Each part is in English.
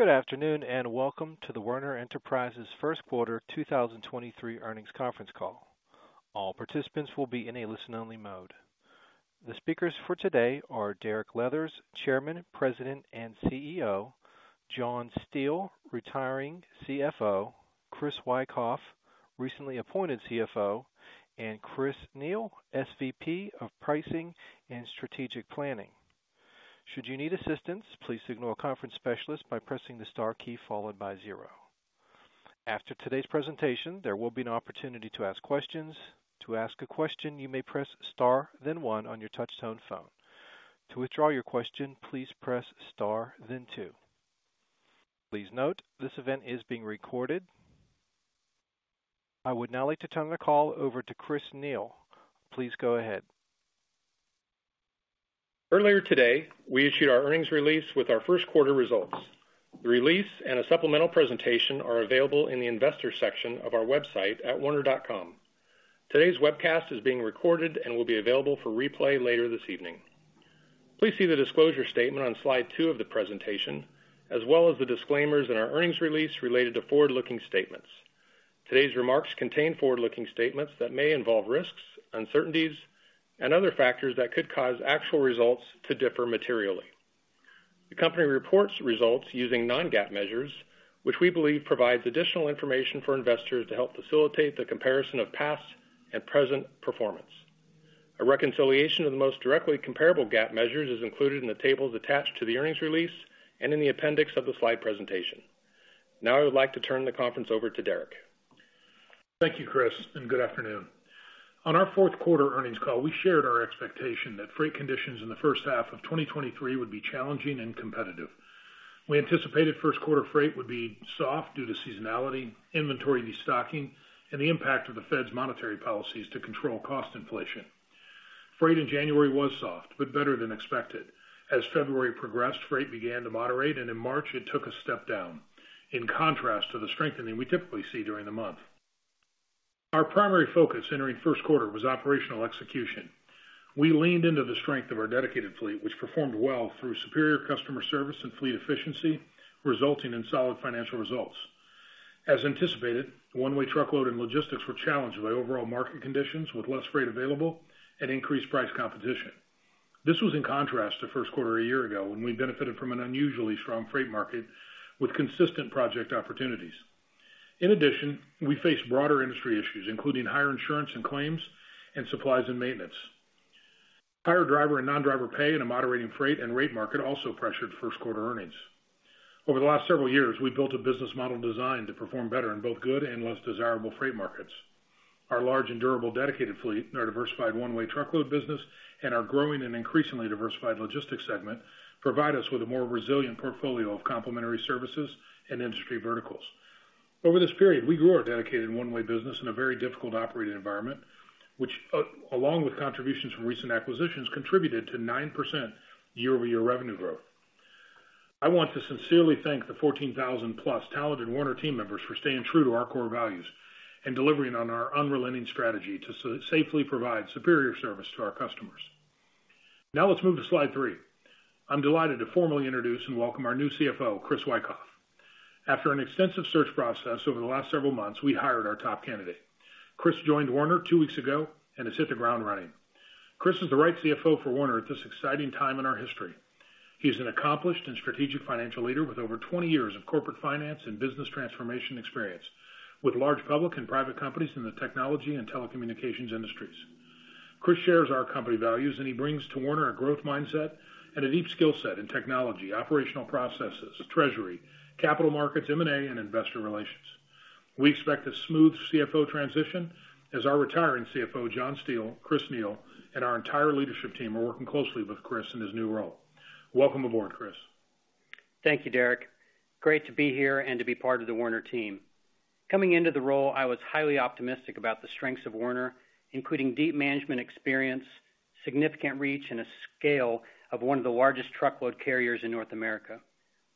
Good afternoon, welcome to the Werner Enterprises' first quarter 2023 earnings conference call. All participants will be in a listen-only mode. The speakers for today are Derek Leathers, Chairman, President, and CEO, John Steele, retiring CFO, Chris Wycough, recently appointed CFO, and Chris Neil, SVP of Pricing and Strategic Planning. Should you need assistance, please signal a conference specialist by pressing the star key followed by zero. After today's presentation, there will be an opportunity to ask questions. To ask a question, you may press Star, then 1 on your touchtone phone. To withdraw your question, please press star, then two Please note, this event is being recorded. I would now like to turn the call over to Chris Neil. Please go ahead. Earlier today, we issued our earnings release with our first quarter results. The release and a supplemental presentation are available in the investor section of our website at werner.com. Today's webcast is being recorded and will be available for replay later this evening. Please see the disclosure statement on slide two of the presentation, as well as the disclaimers in our earnings release related to forward-looking statements. Today's remarks contain forward-looking statements that may involve risks, uncertainties, and other factors that could cause actual results to differ materially. The company reports results using non-GAAP measures, which we believe provides additional information for investors to help facilitate the comparison of past and present performance. A reconciliation of the most directly comparable GAAP measures is included in the tables attached to the earnings release and in the appendix of the slide presentation. Now I would like to turn the conference over to Derek. Thank you, Chris, and good afternoon. On our fourth quarter earnings call, we shared our expectation that freight conditions in the first half of 2023 would be challenging and competitive. We anticipated first quarter freight would be soft due to seasonality, inventory de-stocking, and the impact of the Fed's monetary policies to control cost inflation. Freight in January was soft but better than expected. As February progressed, freight began to moderate, and in March, it took a step down, in contrast to the strengthening we typically see during the month. Our primary focus entering first quarter was operational execution. We leaned into the strength of our dedicated fleet, which performed well through superior customer service and fleet efficiency, resulting in solid financial results. As anticipated, one-way truckload and logistics were challenged by overall market conditions with less freight available and increased price competition. This was in contrast to first quarter a year ago when we benefited from an unusually strong freight market with consistent project opportunities. We faced broader industry issues, including higher insurance and claims, and supplies and maintenance. Higher driver and non-driver pay in a moderating freight and rate market also pressured first quarter earnings. Over the last several years, we've built a business model designed to perform better in both good and less desirable freight markets. Our large and durable dedicated fleet and our diversified one-way truckload business, and our growing and increasingly diversified logistics segment provide us with a more resilient portfolio of complementary services and industry verticals. Over this period, we grew our dedicated and one-way business in a very difficult operating environment, which, along with contributions from recent acquisitions, contributed to 9% year-over-year revenue growth. I want to sincerely thank the 14,000+ talented Werner team members for staying true to our core values and delivering on our unrelenting strategy to safely provide superior service to our customers. Let's move to slide three. I'm delighted to formally introduce and welcome our new CFO, Chris Wikoff. After an extensive search process over the last several months, we hired our top candidate. Chris joined Werner two weeks ago and has hit the ground running. Chris is the right CFO for Werner at this exciting time in our history. He's an accomplished and strategic financial leader with over 20 years of corporate finance and business transformation experience with large public and private companies in the technology and telecommunications industries. Chris shares our company values, and he brings to Werner a growth mindset and a deep skill set in technology, operational processes, treasury, capital markets, M&A, and investor relations. We expect a smooth CFO transition as our retiring CFO, John Steele, Chris Neil, and our entire leadership team are working closely with Chris in his new role. Welcome aboard, Chris. Thank you, Derek. Great to be here and to be part of the Werner team. Coming into the role, I was highly optimistic about the strengths of Werner, including deep management experience, significant reach, and a scale of one of the largest truckload carriers in North America.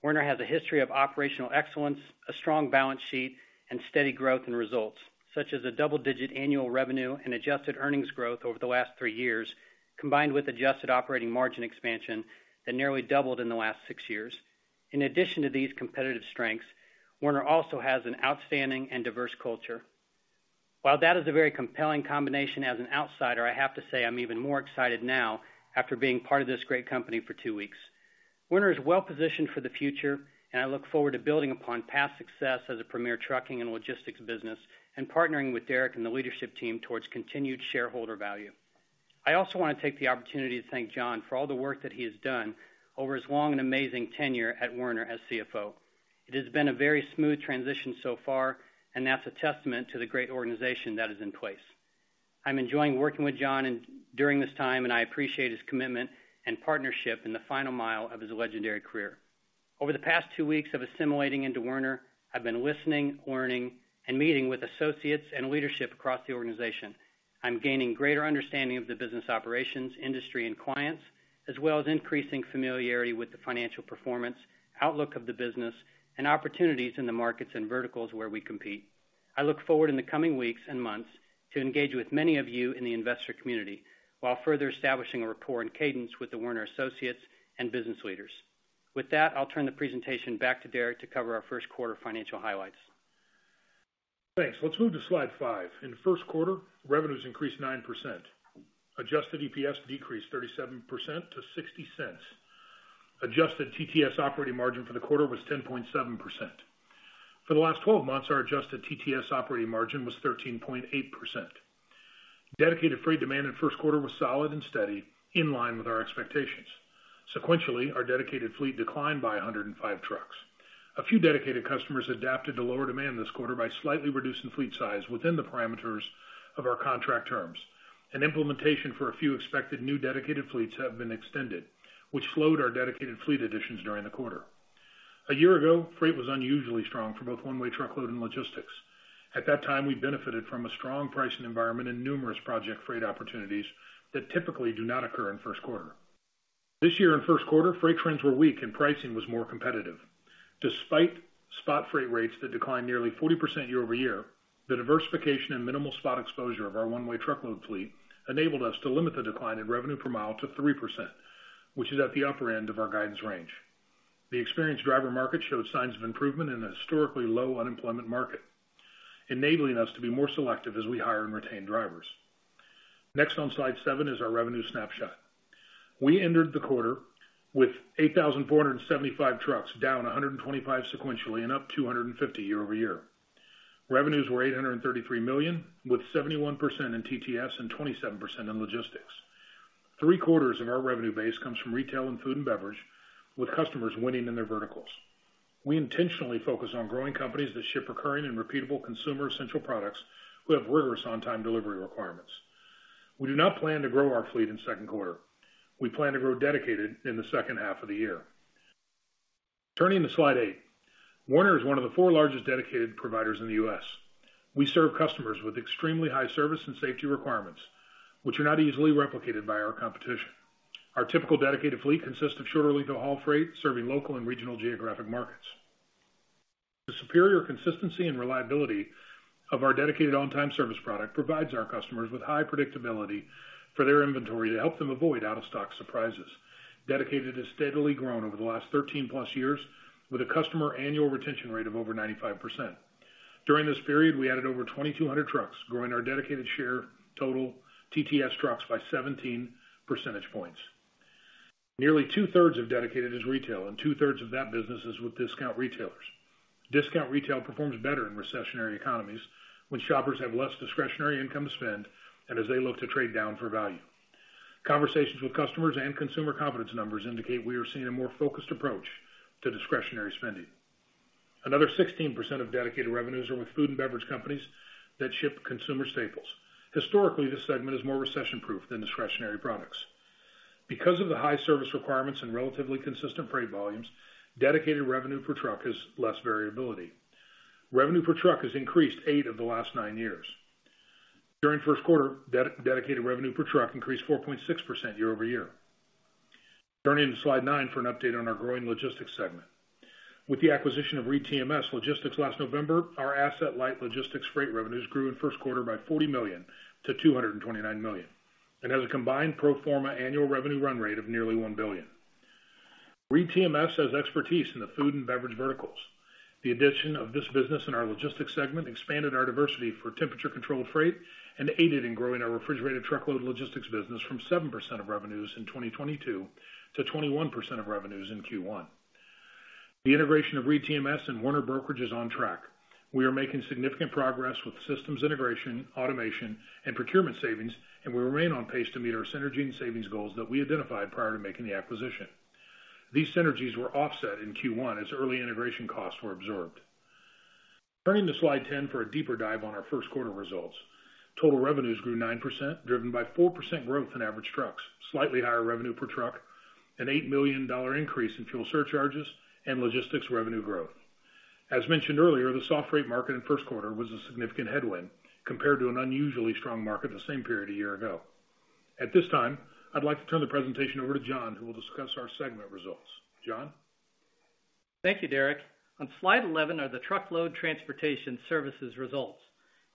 Werner has a history of operational excellence, a strong balance sheet, and steady growth and results, such as a double-digit annual revenue and adjusted earnings growth over the last 3 years, combined with adjusted operating margin expansion that nearly doubled in the last 6 years. In addition to these competitive strengths, Werner also has an outstanding and diverse culture. While that is a very compelling combination, as an outsider, I have to say I'm even more excited now after being part of this great company for 2 weeks. Werner is well-positioned for the future, I look forward to building upon past success as a premier trucking and logistics business and partnering with Derek and the leadership team towards continued shareholder value. I also want to take the opportunity to thank John for all the work that he has done over his long and amazing tenure at Werner as CFO. It has been a very smooth transition so far, That's a testament to the great organization that is in place. I'm enjoying working with John during this time, I appreciate his commitment and partnership in the final mile of his legendary career. Over the past 2 weeks of assimilating into Werner, I've been listening, learning, and meeting with associates and leadership across the organization. I'm gaining greater understanding of the business operations, industry and clients, as well as increasing familiarity with the financial performance, outlook of the business, and opportunities in the markets and verticals where we compete. I look forward in the coming weeks and months to engage with many of you in the investor community, while further establishing a rapport and cadence with the Werner associates and business leaders. With that, I'll turn the presentation back to Derek to cover our first quarter financial highlights. Thanks. Let's move to slide 5. In the first quarter, revenues increased 9%. Adjusted EPS decreased 37% to $0.60. Adjusted TTS operating margin for the quarter was 10.7%. For the last 12 months, our adjusted TTS operating margin was 13.8%. Dedicated freight demand in first quarter was solid and steady, in line with our expectations. Sequentially, our dedicated fleet declined by 105 trucks. A few dedicated customers adapted to lower demand this quarter by slightly reducing fleet size within the parameters of our contract terms, and implementation for a few expected new dedicated fleets have been extended, which slowed our dedicated fleet additions during the quarter. A year ago, freight was unusually strong for both one-way truckload and logistics. At that time, we benefited from a strong pricing environment and numerous project freight opportunities that typically do not occur in first quarter. This year in first quarter, freight trends were weak and pricing was more competitive. Despite spot freight rates that declined nearly 40% year-over-year, the diversification and minimal spot exposure of our one-way truckload fleet enabled us to limit the decline in revenue per mile to 3%, which is at the upper end of our guidance range. The experienced driver market showed signs of improvement in a historically low unemployment market, enabling us to be more selective as we hire and retain drivers. Next on slide 7 is our revenue snapshot. We entered the quarter with 8,475 trucks, down 125 sequentially and up 250 year-over-year. Revenues were $833 million, with 71% in TTS and 27% in logistics. Three-quarters of our revenue base comes from retail and food and beverage, with customers winning in their verticals. We intentionally focus on growing companies that ship recurring and repeatable consumer essential products who have rigorous on-time delivery requirements. We do not plan to grow our fleet in second quarter. We plan to grow dedicated in the second half of the year. Turning to slide 8. Werner is one of the 4 largest dedicated providers in the US. We serve customers with extremely high service and safety requirements, which are not easily replicated by our competition. Our typical dedicated fleet consists of shorter length-of-haul freight, serving local and regional geographic markets. The superior consistency and reliability of our dedicated on-time service product provides our customers with high predictability for their inventory to help them avoid out-of-stock surprises. Dedicated has steadily grown over the last 13+ years with a customer annual retention rate of over 95%. During this period, we added over 2,200 trucks, growing our dedicated share total TTS trucks by 17 percentage points. Nearly 2/3 of dedicated is retail, and 2/3 of that business is with discount retailers. Discount retail performs better in recessionary economies when shoppers have less discretionary income to spend and as they look to trade down for value. Conversations with customers and consumer confidence numbers indicate we are seeing a more focused approach to discretionary spending. Another 16% of dedicated revenues are with food and beverage companies that ship consumer staples. Historically, this segment is more recession-proof than discretionary products. Because of the high service requirements and relatively consistent freight volumes, dedicated revenue per truck has less variability. Revenue per truck has increased 8 of the last 9 years. During first quarter, dedicated revenue per truck increased 4.6% year-over-year. Turning to slide 9 for an update on our growing logistics segment. With the acquisition of ReedTMS Logistics last November, our asset-light logistics freight revenues grew in first quarter by $40 million to $229 million, and has a combined pro forma annual revenue run rate of nearly $1 billion. ReedTMS has expertise in the food and beverage verticals. The addition of this business in our logistics segment expanded our diversity for temperature-controlled freight and aided in growing our refrigerated truckload logistics business from 7% of revenues in 2022 to 21% of revenues in Q1. The integration of ReedTMS and Werner Brokerage is on track. We are making significant progress with systems integration, automation, and procurement savings, and we remain on pace to meet our synergy and savings goals that we identified prior to making the acquisition. These synergies were offset in Q1 as early integration costs were absorbed. Turning to slide 10 for a deeper dive on our first quarter results. Total revenues grew 9%, driven by 4% growth in average trucks, slightly higher revenue per truck, an $8 million increase in fuel surcharges, and logistics revenue growth. As mentioned earlier, the soft freight market in first quarter was a significant headwind compared to an unusually strong market the same period a year ago. At this time, I'd like to turn the presentation over to John, who will discuss our segment results. John? Thank you, Derek. On slide 11 are the truckload transportation services results.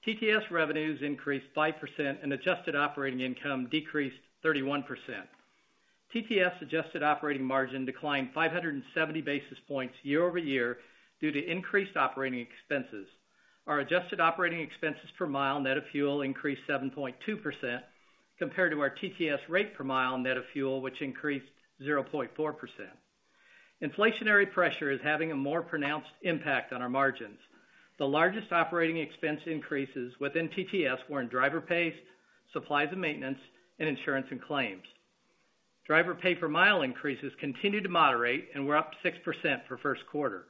TTS revenues increased 5% and adjusted operating income decreased 31%. TTS adjusted operating margin declined 570 basis points year-over-year due to increased operating expenses. Our adjusted operating expenses per mile net of fuel increased 7.2% compared to our TTS rate per mile net of fuel, which increased 0.4%. Inflationary pressure is having a more pronounced impact on our margins. The largest operating expense increases within TTS were in driver pay, supplies and maintenance, and insurance and claims. Driver pay per mile increases continued to moderate and were up 6% for first quarter.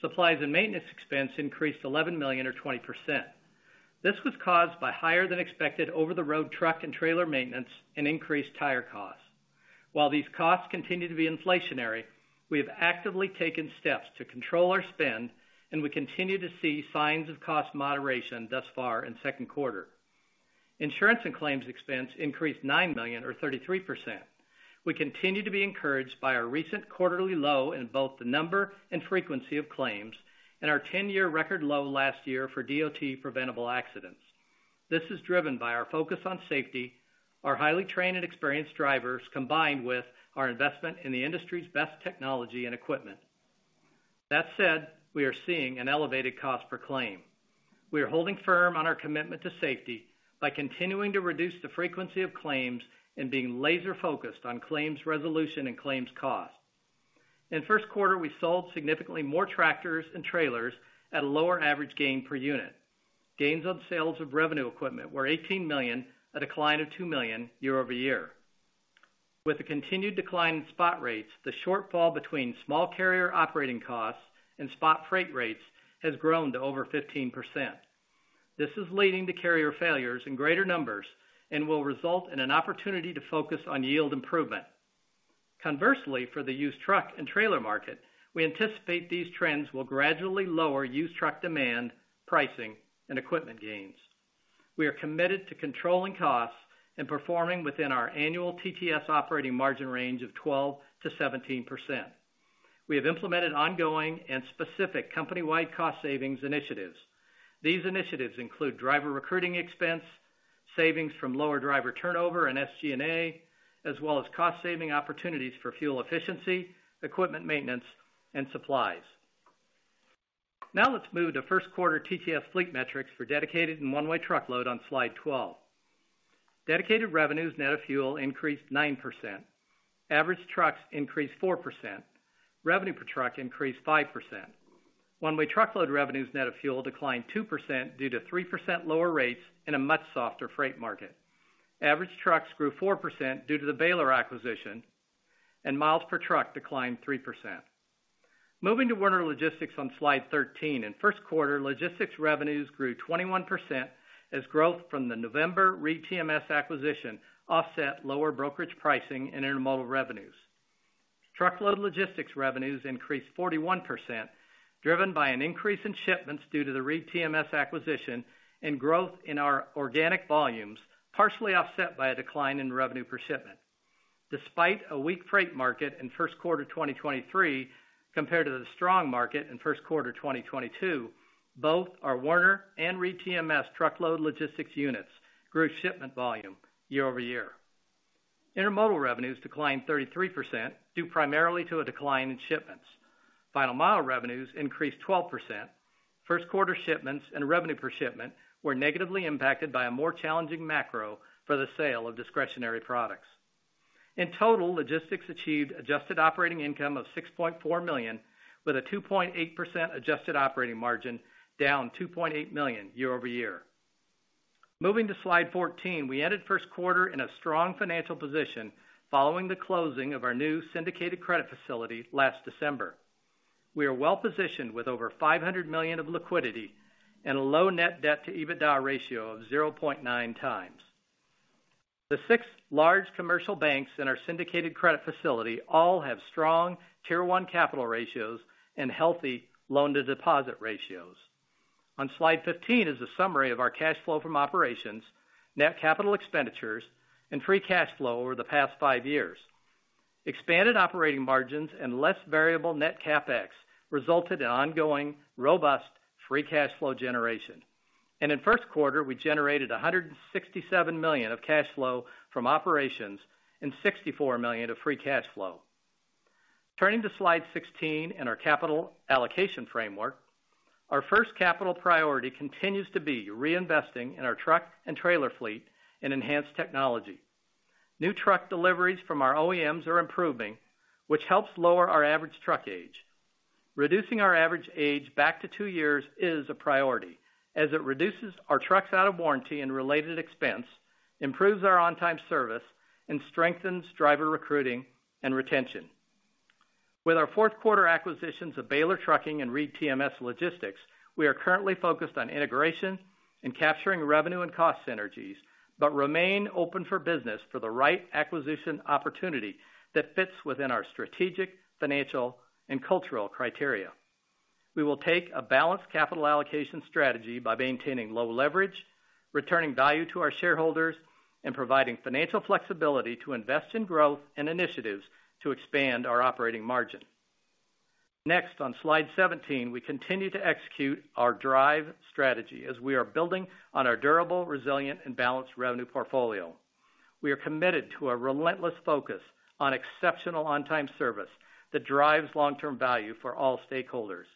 Supplies and maintenance expense increased $11 million or 20%. This was caused by higher than expected over-the-road truck and trailer maintenance and increased tire costs. While these costs continue to be inflationary, we have actively taken steps to control our spend, and we continue to see signs of cost moderation thus far in second quarter. Insurance and claims expense increased $9 million or 33%. We continue to be encouraged by our recent quarterly low in both the number and frequency of claims and our 10-year record low last year for DOT preventable accidents. This is driven by our focus on safety, our highly trained and experienced drivers, combined with our investment in the industry's best technology and equipment. That said, we are seeing an elevated cost per claim. We are holding firm on our commitment to safety by continuing to reduce the frequency of claims and being laser-focused on claims resolution and claims costs. In first quarter, we sold significantly more tractors and trailers at a lower average gain per unit. Gains on sales of revenue equipment were $18 million, a decline of $2 million year-over-year. With the continued decline in spot rates, the shortfall between small carrier operating costs and spot freight rates has grown to over 15%. This is leading to carrier failures in greater numbers and will result in an opportunity to focus on yield improvement. Conversely, for the used truck and trailer market, we anticipate these trends will gradually lower used truck demand, pricing, and equipment gains. We are committed to controlling costs and performing within our annual TTS operating margin range of 12%-17%. We have implemented ongoing and specific company-wide cost savings initiatives. These initiatives include driver recruiting expense, savings from lower driver turnover and SG&A, as well as cost-saving opportunities for fuel efficiency, equipment maintenance, and supplies. Let's move to first quarter TTS fleet metrics for dedicated and one-way truckload on slide 12. Dedicated revenues net of fuel increased 9%. Average trucks increased 4%. Revenue per truck increased 5%. One-way truckload revenues net of fuel declined 2% due to 3% lower rates in a much softer freight market. Average trucks grew 4% due to the Baylor acquisition, and miles per truck declined 3%. Moving to Werner Logistics on slide 13. In first quarter, Logistics revenues grew 21% as growth from the November ReedTMS acquisition offset lower brokerage pricing and intermodal revenues. Truckload logistics revenues increased 41%, driven by an increase in shipments due to the ReedTMS acquisition and growth in our organic volumes, partially offset by a decline in revenue per shipment. Despite a weak freight market in first quarter 2023 compared to the strong market in first quarter 2022, both our Werner and ReedTMS truckload logistics units grew shipment volume year-over-year. Intermodal revenues declined 33%, due primarily to a decline in shipments. Final Mile revenues increased 12%. First quarter shipments and revenue per shipment were negatively impacted by a more challenging macro for the sale of discretionary products. In total, Logistics achieved adjusted operating income of $6.4 million, with a 2.8% adjusted operating margin, down $2.8 million year-over-year. Moving to slide 14. We ended first quarter in a strong financial position following the closing of our new syndicated credit facility last December. We are well positioned with over $500 million of liquidity and a low net debt to EBITDA ratio of 0.9 times. The 6 large commercial banks in our syndicated credit facility all have strong Tier 1 capital ratios and healthy loan to deposit ratios. On slide 15 is a summary of our cash flow from operations, net capital expenditures, and free cash flow over the past 5 years. Expanded operating margins and less variable net CapEx resulted in ongoing, robust free cash flow generation. In first quarter, we generated $167 million of cash flow from operations and $64 million of free cash flow. Turning to slide 16 and our capital allocation framework, our first capital priority continues to be reinvesting in our truck and trailer fleet and enhanced technology. New truck deliveries from our OEMs are improving, which helps lower our average truck age. Reducing our average age back to 2 years is a priority, as it reduces our trucks out of warranty and related expense, improves our on-time service, and strengthens driver recruiting and retention. With our fourth quarter acquisitions of Baylor Trucking and ReedTMS Logistics, we are currently focused on integration and capturing revenue and cost synergies, but remain open for business for the right acquisition opportunity that fits within our strategic, financial, and cultural criteria. We will take a balanced capital allocation strategy by maintaining low leverage, returning value to our shareholders, and providing financial flexibility to invest in growth and initiatives to expand our operating margin. On slide 17, we continue to execute our DRIVE strategy as we are building on our durable, resilient, and balanced revenue portfolio. We are committed to a relentless focus on exceptional on-time service that drives long-term value for all stakeholders.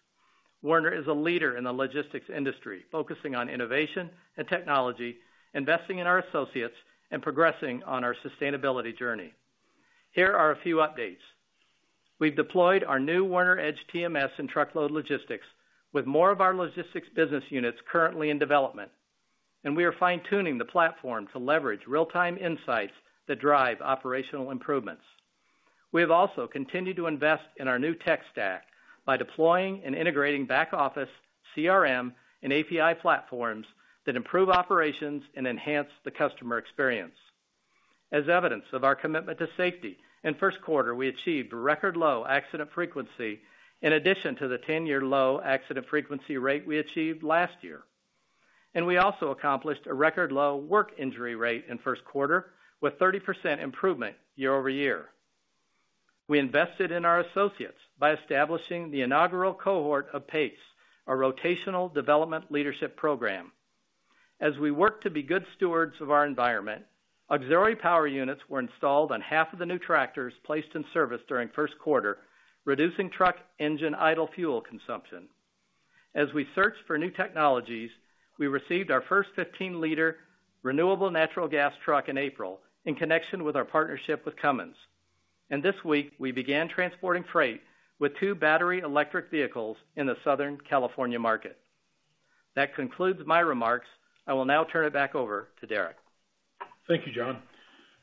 Werner is a leader in the logistics industry, focusing on innovation and technology, investing in our associates, and progressing on our sustainability journey. Here are a few updates. We've deployed our new Werner EDGE TMS and truckload logistics with more of our logistics business units currently in development. We are fine-tuning the platform to leverage real-time insights that drive operational improvements. We have also continued to invest in our new tech stack by deploying and integrating back-office CRM and API platforms that improve operations and enhance the customer experience. As evidence of our commitment to safety, in first quarter, we achieved record low accident frequency in addition to the 10-year low accident frequency rate we achieved last year. We also accomplished a record low work injury rate in first quarter, with 30% improvement year-over-year. We invested in our associates by establishing the inaugural cohort of PACE, our rotational development leadership program. As we work to be good stewards of our environment, auxiliary power units were installed on half of the new tractors placed in service during first quarter, reducing truck engine idle fuel consumption. As we search for new technologies, we received our first 15-liter renewable natural gas truck in April in connection with our partnership with Cummins. This week, we began transporting freight with 2 battery electric vehicles in the Southern California market. That concludes my remarks. I will now turn it back over to Derek. Thank you, John.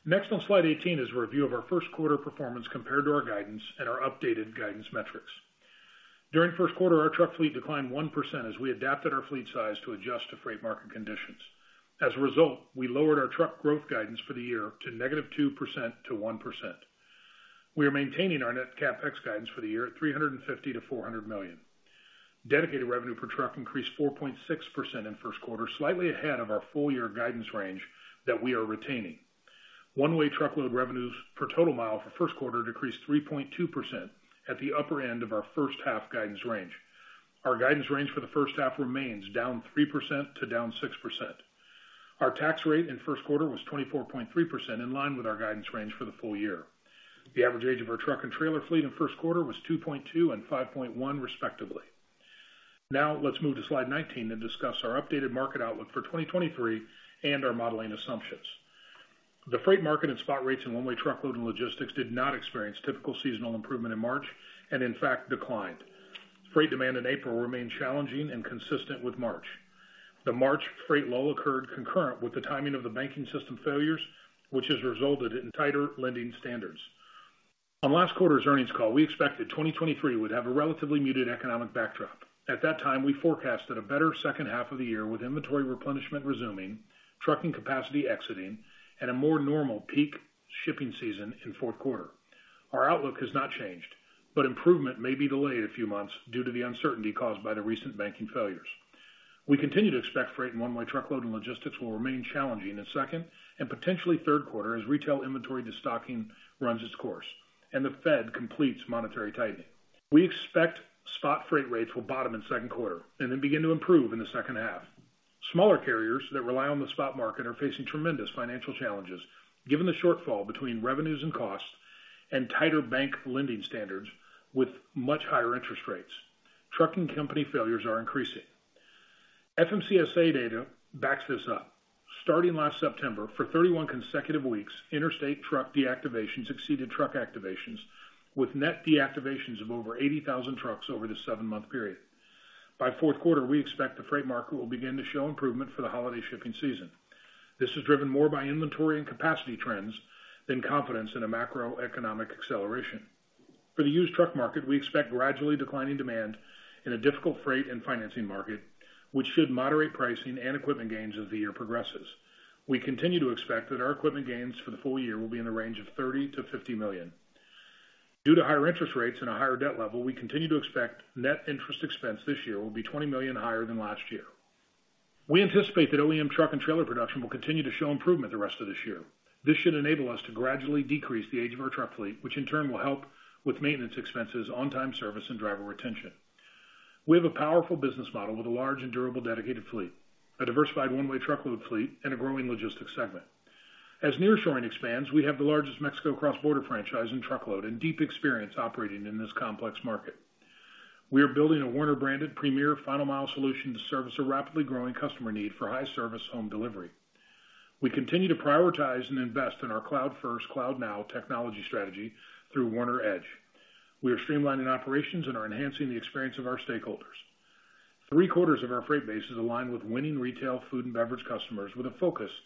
Next on slide 18 is a review of our first quarter performance compared to our guidance and our updated guidance metrics. During first quarter, our truck fleet declined 1% as we adapted our fleet size to adjust to freight market conditions. As a result, we lowered our truck growth guidance for the year to -2% to 1%. We are maintaining our net CapEx guidance for the year at $350 million-$400 million. Dedicated revenue per truck increased 4.6% in first quarter, slightly ahead of our full year guidance range that we are retaining. One-way truckload revenues per total mile for first quarter decreased 3.2% at the upper end of our first half guidance range. Our guidance range for the first half remains down 3% to down 6%. Our tax rate in first quarter was 24.3%, in line with our guidance range for the full year. The average age of our truck and trailer fleet in first quarter was 2.2 and 5.1, respectively. Now let's move to slide 19 and discuss our updated market outlook for 2023 and our modeling assumptions. The freight market and spot rates in one-way truckload and logistics did not experience typical seasonal improvement in March and, in fact, declined. Freight demand in April remained challenging and consistent with March. The March freight lull occurred concurrent with the timing of the banking system failures, which has resulted in tighter lending standards. On last quarter's earnings call, we expected 2023 would have a relatively muted economic backdrop. At that time, we forecasted a better second half of the year with inventory replenishment resuming, trucking capacity exiting, and a more normal peak shipping season in fourth quarter. Our outlook has not changed, but improvement may be delayed a few months due to the uncertainty caused by the recent banking failures. We continue to expect freight and one-way truckload and logistics will remain challenging in second and potentially third quarter as retail inventory destocking runs its course and the Fed completes monetary tightening. We expect spot freight rates will bottom in second quarter and then begin to improve in the second half. Smaller carriers that rely on the spot market are facing tremendous financial challenges, given the shortfall between revenues and costs and tighter bank lending standards with much higher interest rates. Trucking company failures are increasing. FMCSA data backs this up. Starting last September, for 31 consecutive weeks, interstate truck deactivations exceeded truck activations, with net deactivations of over 80,000 trucks over the seven-month period. By fourth quarter, we expect the freight market will begin to show improvement for the holiday shipping season. This is driven more by inventory and capacity trends than confidence in a macroeconomic acceleration. For the used truck market, we expect gradually declining demand in a difficult freight and financing market, which should moderate pricing and equipment gains as the year progresses. We continue to expect that our equipment gains for the full year will be in the range of $30 million-$50 million. Due to higher interest rates and a higher debt level, we continue to expect net interest expense this year will be $20 million higher than last year. We anticipate that OEM truck and trailer production will continue to show improvement the rest of this year. This should enable us to gradually decrease the age of our truck fleet, which in turn will help with maintenance expenses, on-time service, and driver retention. We have a powerful business model with a large and durable dedicated fleet, a diversified one-way truckload fleet, and a growing logistics segment. As nearshoring expands, we have the largest Mexico cross-border franchise in truckload and deep experience operating in this complex market. We are building a Werner-branded premier Final Mile solution to service a rapidly growing customer need for high service home delivery. We continue to prioritize and invest in our Cloud First, Cloud Now technology strategy through Werner EDGE. We are streamlining operations and are enhancing the experience of our stakeholders. Three-quarters of our freight base is aligned with winning retail food and beverage customers with a focus on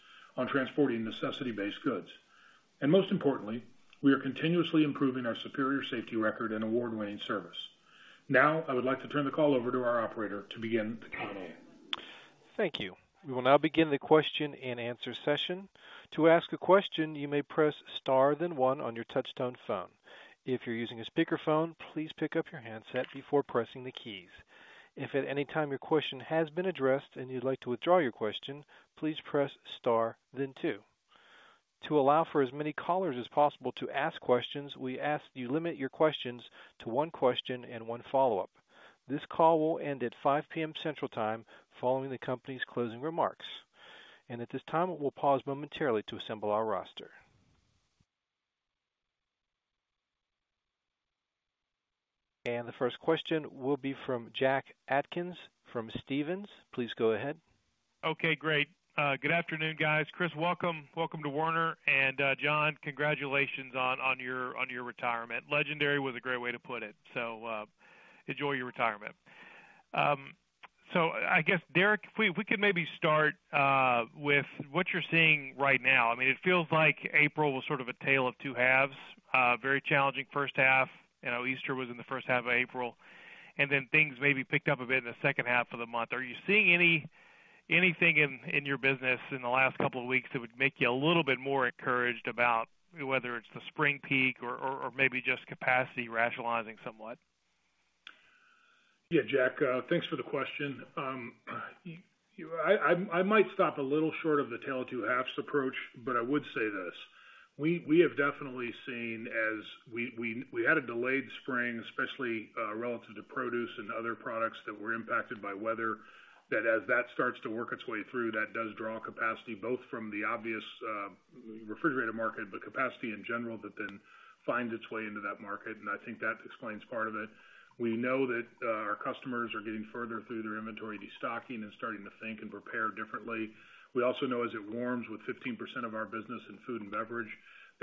transporting necessity-based goods. Most importantly, we are continuously improving our superior safety record and award-winning service. I would like to turn the call over to our operator to begin the Q&A. Thank you. We will now begin the question and answer session. To ask a question, you may press star then 1 on your touchtone phone. If you're using a speakerphone, please pick up your handset before pressing the keys. If at any time your question has been addressed and you'd like to withdraw your question, please press star then two. To allow for as many callers as possible to ask questions, we ask that you limit your questions to one question and one follow-up. This call will end at 5:00 P.M. Central Time following the company's closing remarks. At this time, we'll pause momentarily to assemble our roster. The first question will be from Jack Atkins from Stephens. Please go ahead. Okay, great. Good afternoon, guys. Chris Wikoff, welcome. Welcome to Werner. John Steele, congratulations on your retirement. Legendary was a great way to put it. Enjoy your retirement. I guess, Derek Leathers, if we could maybe start with what you're seeing right now. I mean, it feels like April was sort of a tale of two halves. Very challenging first half. You know, Easter was in the first half of April. Then things maybe picked up a bit in the second half of the month. Are you seeing anything in your business in the last couple of weeks that would make you a little bit more encouraged about whether it's the spring peak or maybe just capacity rationalizing somewhat? Jack Atkins, thanks for the question. I might stop a little short of the tail two halves approach, but I would say this: we have definitely seen as we had a delayed spring, especially relative to produce and other products that were impacted by weather, that as that starts to work its way through, that does draw capacity, both from the obvious refrigerator market, but capacity in general, that then finds its way into that market. I think that explains part of it. We know that our customers are getting further through their inventory destocking and starting to think and prepare differently. We also know as it warms with 15% of our business in food and beverage,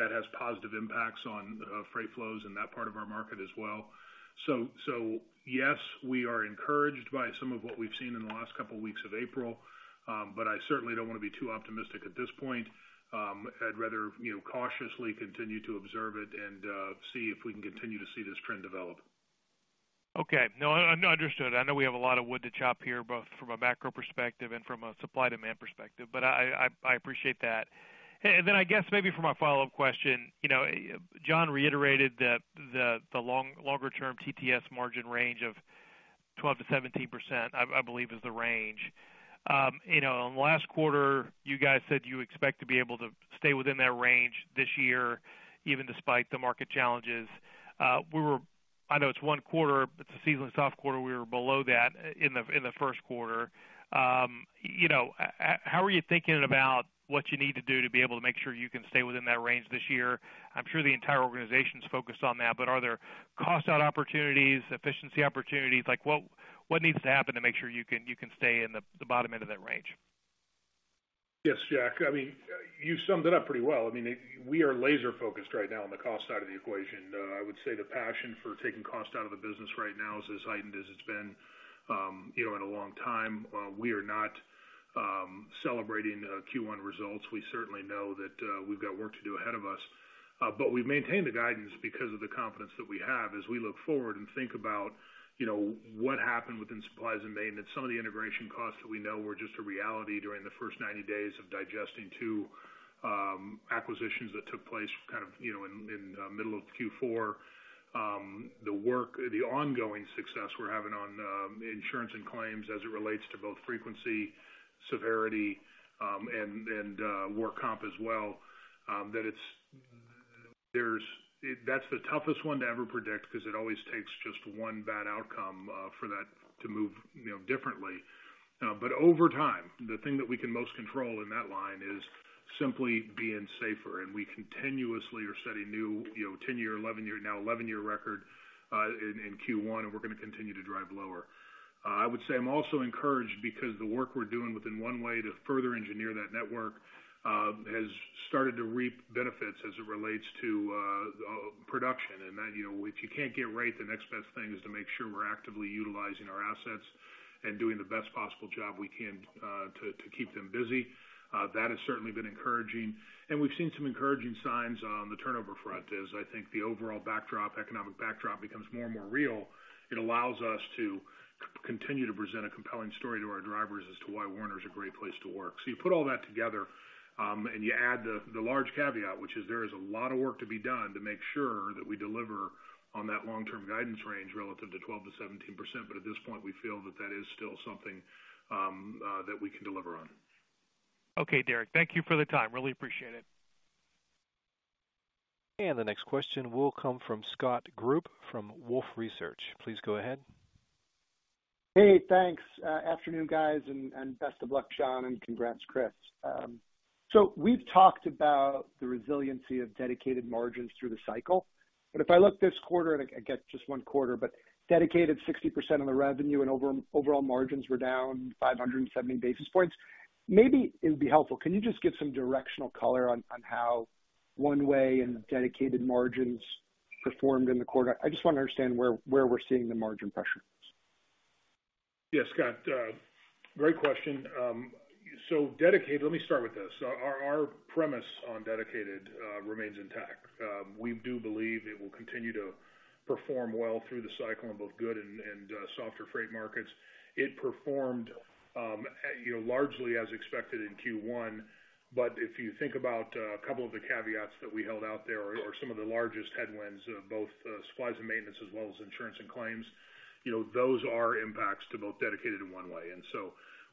that has positive impacts on freight flows in that part of our market as well. Yes, we are encouraged by some of what we've seen in the last couple of weeks of April. I certainly don't want to be too optimistic at this point. I'd rather, you know, cautiously continue to observe it and see if we can continue to see this trend develop. Okay. No, I understood. I know we have a lot of wood to chop here, both from a macro perspective and from a supply demand perspective, but I appreciate that. And then I guess maybe for my follow-up question, you know, John Steele reiterated that the long-longer term TTS margin range of 12%-17%, I believe is the range. You know, last quarter, you guys said you expect to be able to stay within that range this year, even despite the market challenges. We were I know it's 1 quarter, it's a seasonally soft quarter, we were below that in the first quarter. You know, how are you thinking about what you need to do to be able to make sure you can stay within that range this year? I'm sure the entire organization is focused on that, but are there cost out opportunities, efficiency opportunities? Like what needs to happen to make sure you can stay in the bottom end of that range? Yes, Jack. I mean, you summed it up pretty well. I mean, we are laser-focused right now on the cost side of the equation. I would say the passion for taking cost out of the business right now is as heightened as it's been, you know, in a long time. We are not celebrating Q1 results. We certainly know that we've got work to do ahead of us, but we've maintained the guidance because of the confidence that we have as we look forward and think about, you know, what happened within supplies and maintenance. Some of the integration costs that we know were just a reality during the first 90 days of digesting two acquisitions that took place kind of, you know, in the middle of Q4. The work, the ongoing success we're having on insurance and claims as it relates to both frequency, severity, and work comp as well, that's the toughest one to ever predict because it always takes just one bad outcome for that to move, you know, differently. Over time, the thing that we can most control in that line is simply being safer. We continuously are setting new, you know, 10-year, 11-year, now 11-year record in Q1, and we're going to continue to drive lower. I would say I'm also encouraged because the work we're doing within One Way to further engineer that network has started to reap benefits as it relates to production. That, you know, if you can't get rate, the next best thing is to make sure we're actively utilizing our assets and doing the best possible job we can to keep them busy. That has certainly been encouraging. We've seen some encouraging signs on the turnover front as I think the overall backdrop, economic backdrop becomes more and more real. It allows us to continue to present a compelling story to our drivers as to why Werner is a great place to work. You put all that together, and you add the large caveat, which is there is a lot of work to be done to make sure that we deliver on that long-term guidance range relative to 12%-17%. At this point, we feel that that is still something that we can deliver on. Okay, Derek, thank you for the time. Really appreciate it. The next question will come from Scott Group from Wolfe Research. Please go ahead. Thanks. Afternoon, guys, and best of luck, John Steele, and congrats, Chris Wikoff. We've talked about the resiliency of dedicated margins through the cycle. If I look this quarter, and I get just 1 quarter, but dedicated 60% of the revenue and overall margins were down 570 basis points. Maybe it would be helpful, can you just give some directional color on how One Way and dedicated margins performed in the quarter? I just want to understand where we're seeing the margin pressures. Yes, Scott, great question. Dedicated, let me start with this. Our premise on dedicated remains intact. We do believe it will continue to perform well through the cycle in both good and softer freight markets. It performed, you know, largely as expected in Q1. If you think about a couple of the caveats that we held out there or some of the largest headwinds, both supplies and maintenance as well as insurance and claims, you know, those are impacts to both dedicated and One Way.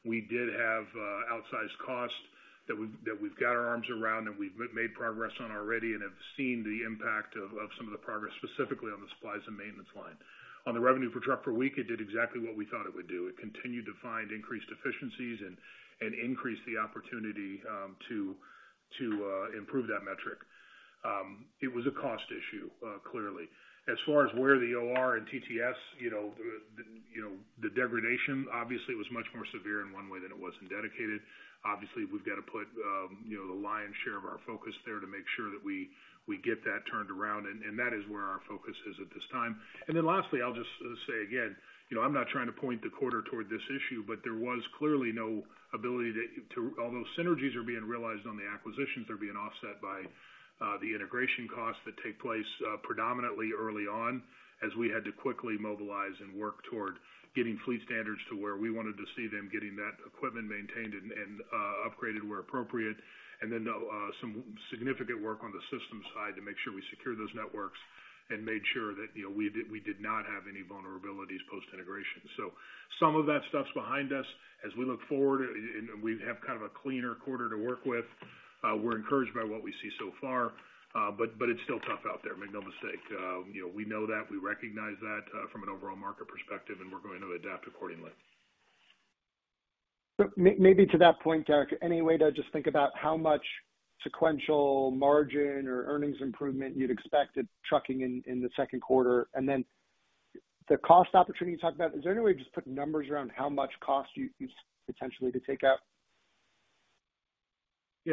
We did have outsized costs that we've got our arms around and we've made progress on already and have seen the impact of some of the progress, specifically on the supplies and maintenance line. On the revenue per truck per week, it did exactly what we thought it would do. It continued to find increased efficiencies and increase the opportunity to improve that metric. It was a cost issue, clearly. As far as where the OR and TTS, the degradation obviously was much more severe in one way than it was in dedicated. Obviously, we've got to put the lion's share of our focus there to make sure that we get that turned around, and that is where our focus is at this time. Lastly, I'll just say again, you know, I'm not trying to point the quarter toward this issue, but there was clearly no ability to although synergies are being realized on the acquisitions, they're being offset by the integration costs that take place predominantly early on, as we had to quickly mobilize and work toward getting fleet standards to where we wanted to see them, getting that equipment maintained and upgraded where appropriate. Some significant work on the systems side to make sure we secure those networks and made sure that, you know, we did not have any vulnerabilities post-integration. Some of that stuff's behind us. As we look forward, and we have kind of a cleaner quarter to work with, we're encouraged by what we see so far. It's still tough out there, make no mistake. You know, we know that, we recognize that, from an overall market perspective, we're going to adapt accordingly. Maybe to that point, Derek, any way to just think about how much sequential margin or earnings improvement you'd expect at trucking in the second quarter? Then the cost opportunity you talked about, is there any way to just put numbers around how much cost you potentially could take out?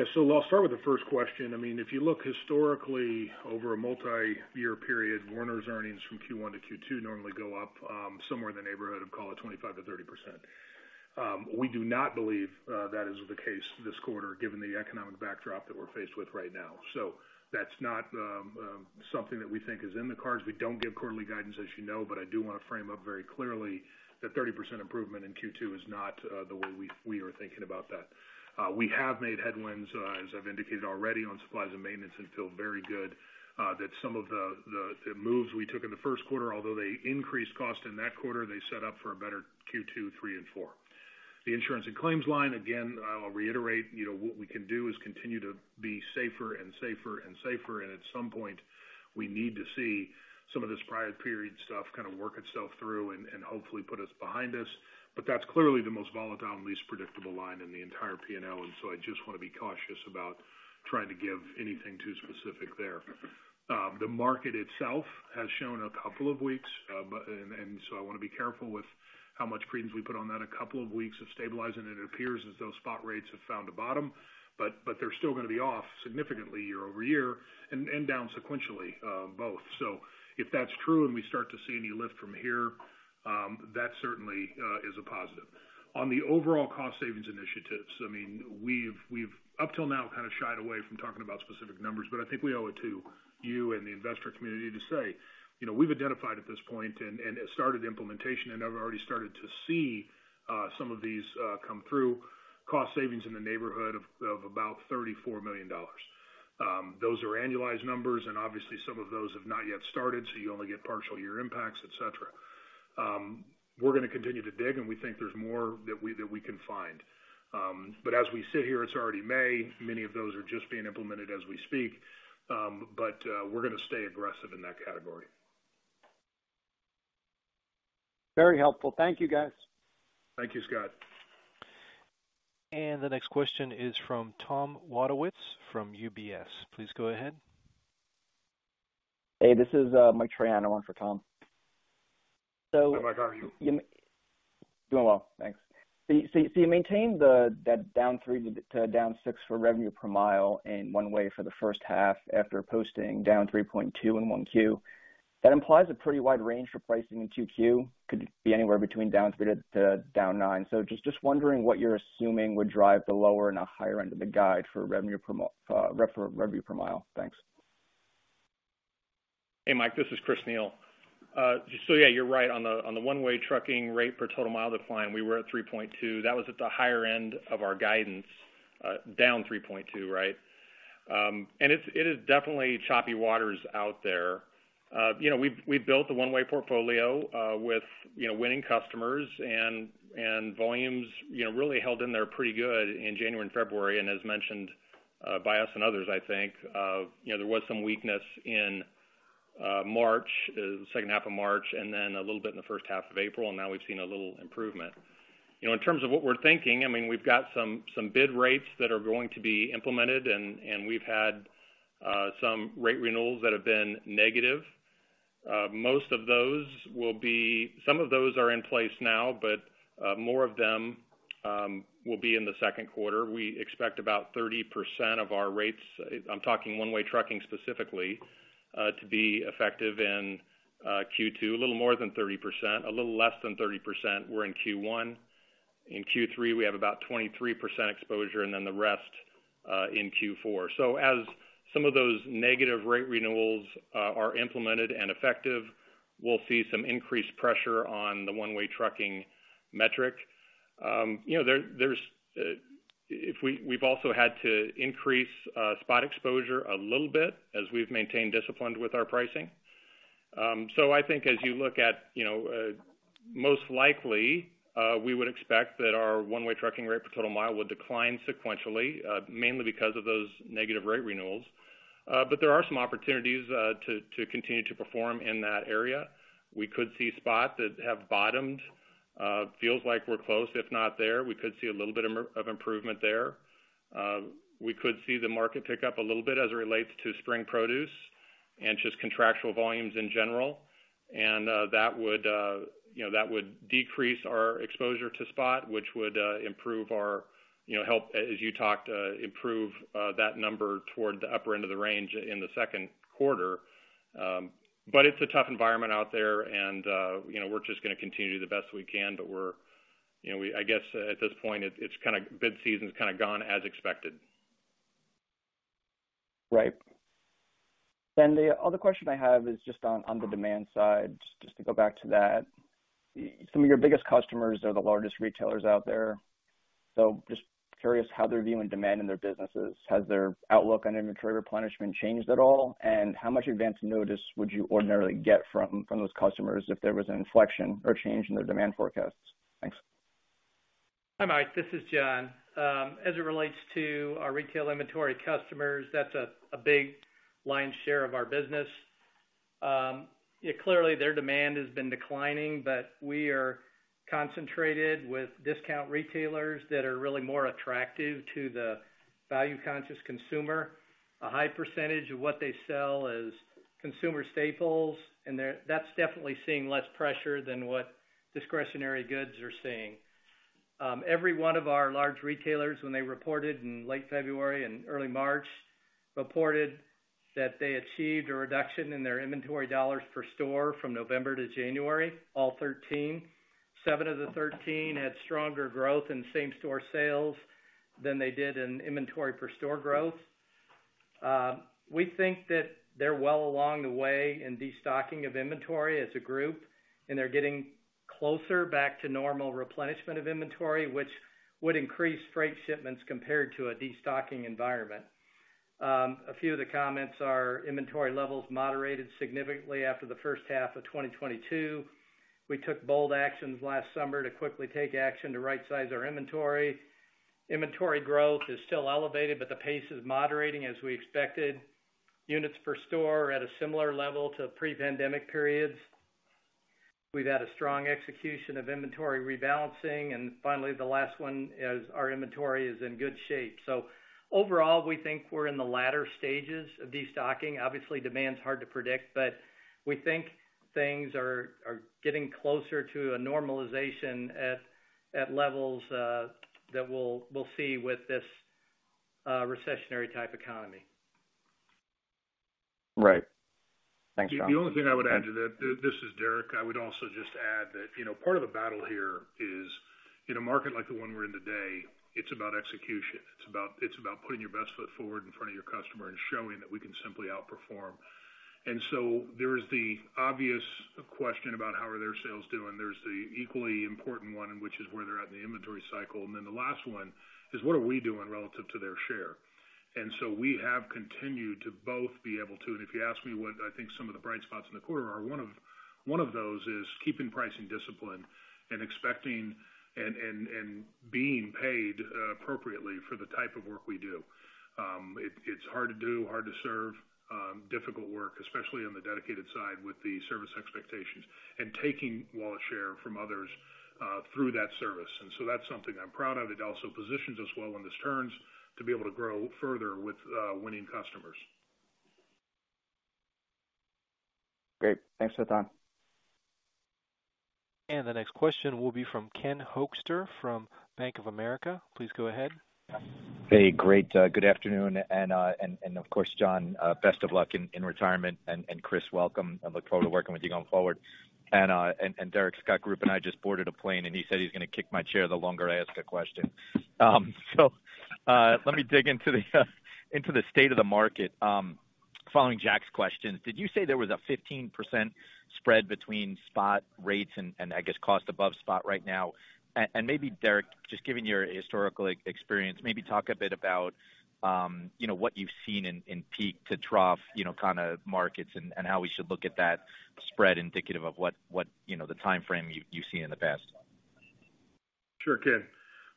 I'll start with the first question. I mean, if you look historically over a multi-year period, Werner's earnings from Q1 to Q2 normally go up, somewhere in the neighborhood of, call it, 25%-30%. We do not believe that is the case this quarter, given the economic backdrop that we're faced with right now. That's not something that we think is in the cards. We don't give quarterly guidance, as you know, but I do want to frame up very clearly that 30% improvement in Q2 is not the way we are thinking about that. We have made headwinds, as I've indicated already, on supplies and maintenance and feel very good that some of the moves we took in the first quarter, although they increased cost in that quarter, they set up for a better Q2, 3, and 4. The insurance and claims line, again, I'll reiterate, you know, what we can do is continue to be safer and safer and safer. At some point, we need to see some of this prior period stuff kind of work itself through and hopefully put us behind us. That's clearly the most volatile and least predictable line in the entire P&L, and so I just want to be cautious about trying to give anything too specific there. The market itself has shown a couple of weeks, and so I wanna be careful with how much credence we put on that. A couple of weeks of stabilizing it appears as though spot rates have found a bottom, but they're still gonna be off significantly year-over-year and down sequentially, both. If that's true, and we start to see any lift from here, that certainly is a positive. On the overall cost savings initiatives, I mean, we've up till now kind of shied away from talking about specific numbers, I think we owe it to you and the investor community to say, you know, we've identified at this point and started implementation, and have already started to see some of these come through cost savings in the neighborhood of about $34 million. Those are annualized numbers, and obviously some of those have not yet started, so you only get partial year impacts, et cetera. We're gonna continue to dig, and we think there's more that we can find. As we sit here, it's already May. Many of those are just being implemented as we speak, but we're gonna stay aggressive in that category. Very helpful. Thank you, guys. Thank you, Scott. The next question is from Tom Wadewitz from UBS. Please go ahead. Hey, this is Michael Triano in for Tom. Hi, Michael. How are you? Doing well, thanks. You maintain that -3% to -6% for revenue per mile in one way for the first half after posting -3.2% in 1Q. That implies a pretty wide range for pricing in 2Q. Could be anywhere between -3% to -9%. Just wondering what you're assuming would drive the lower and a higher end of the guide for revenue per mile. Thanks. Hey, Michael, this is Chris Neil. Yeah, you're right on the one-way trucking rate per total mile decline, we were at 3.2%. That was at the higher end of our guidance, down 3.2%, right? It is definitely choppy waters out there. You know, we've built a one-way portfolio, with, you know, winning customers and volumes, you know, really held in there pretty good in January and February. As mentioned, by us and others, I think, you know, there was some weakness in March, second half of March, a little bit in the first half of April, now we've seen a little improvement. You know, in terms of what we're thinking, I mean, we've got some bid rates that are going to be implemented, and we've had some rate renewals that have been negative. Most of those will be some of those are in place now, but more of them will be in the second quarter. We expect about 30% of our rates, I'm talking one-way trucking specifically, to be effective in Q2, a little more than 30%. A little less than 30% were in Q1. In Q3, we have about 23% exposure, and then the rest in Q4. As some of those negative rate renewals are implemented and effective, we'll see some increased pressure on the one-way trucking metric. you know, there's, we've also had to increase spot exposure a little bit as we've maintained discipline with our pricing. I think as you look at, you know, most likely, we would expect that our one-way trucking rate per total mile would decline sequentially, mainly because of those negative rate renewals. There are some opportunities to continue to perform in that area. We could see spots that have bottomed. Feels like we're close, if not there. We could see a little bit of improvement there. We could see the market pick up a little bit as it relates to spring produce and just contractual volumes in general. That would, you know, that would decrease our exposure to spot, which would improve our, you know, help as you talked, improve that number toward the upper end of the range in the second quarter. It's a tough environment out there and, you know, we're just gonna continue to do the best we can. We're, you know, I guess at this point it's kind of bid season's kind of gone as expected. The other question I have is just on the demand side, just to go back to that. Some of your biggest customers are the largest retailers out there. Just curious how they're viewing demand in their businesses. Has their outlook on inventory replenishment changed at all? How much advance notice would you ordinarily get from those customers if there was an inflection or change in their demand forecasts? Thanks. Hi, Michael, this is John. As it relates to our retail inventory customers, that's a big lion's share of our business. Yeah, clearly their demand has been declining, but we are concentrated with discount retailers that are really more attractive to the value-conscious consumer. A high percentage of what they sell is consumer staples, and that's definitely seeing less pressure than what discretionary goods are seeing. Every one of our large retailers, when they reported in late February and early March, reported that they achieved a reduction in their inventory dollars per store from November to January, all 13. 7 of the 13 had stronger growth in same-store sales than they did in inventory per store growth. We think that they're well along the way in destocking of inventory as a group, and they're getting closer back to normal replenishment of inventory, which would increase freight shipments compared to a destocking environment. A few of the comments are inventory levels moderated significantly after the first half of 2022. We took bold actions last summer to quickly take action to right-size our inventory. Inventory growth is still elevated, but the pace is moderating as we expected. Units per store are at a similar level to pre-pandemic periods. We've had a strong execution of inventory rebalancing. Finally, the last one is our inventory is in good shape. Overall, we think we're in the latter stages of destocking. Obviously, demand's hard to predict. We think things are getting closer to a normalization at levels that we'll see with this recessionary type economy. Right. Thanks, John. The only thing I would add to that, this is Derek. I would also just add that, you know, part of the battle here is in a market like the one we're in today, it's about execution. It's about putting your best foot forward in front of your customer and showing that we can simply outperform. There is the obvious question about how are their sales doing. There's the equally important one, which is where they're at in the inventory cycle. The last one is what are we doing relative to their share. We have continued to both be able to, and if you ask me what I think some of the bright spots in the quarter are, one of those is keeping pricing discipline and expecting and being paid appropriately for the type of work we do. It, it's hard to do, hard to serve, difficult work, especially on the dedicated side with the service expectations and taking wallet share from others through that service. That's something I'm proud of. It also positions us well when this turns to be able to grow further with winning customers. Great. Thanks for the time. The next question will be from Ken Hoexter from Bank of America. Please go ahead. Hey, great, good afternoon. Of course, John Steele, best of luck in retirement. Chris Wikoff, welcome. I look forward to working with you going forward. Derek Leathers, Scott Group and I just boarded a plane, and he said he's gonna kick my chair the longer I ask a question. Let me dig into the state of the market. Following Jack Atkins's question, did you say there was a 15% spread between spot rates and I guess cost above spot right now? Maybe Derek, just given your historical experience, maybe talk a bit about, you know, what you've seen in peak to trough, you know, kind of markets and how we should look at that spread indicative of what, you know, the timeframe you've seen in the past? Sure, Ken.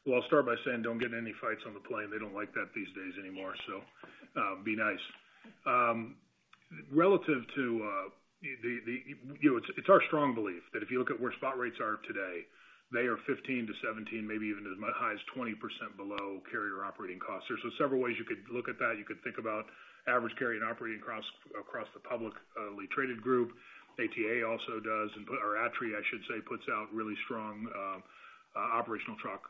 Well, I'll start by saying don't get in any fights on the plane. They don't like that these days anymore. Be nice. Relative to the, you know, it's our strong belief that if you look at where spot rates are today, they are 15-17, maybe even as high as 20% below carrier operating costs. There's several ways you could look at that. You could think about average carrier and operating across the publicly traded group. ATA also does, or ATRI, I should say, puts out really strong operational truck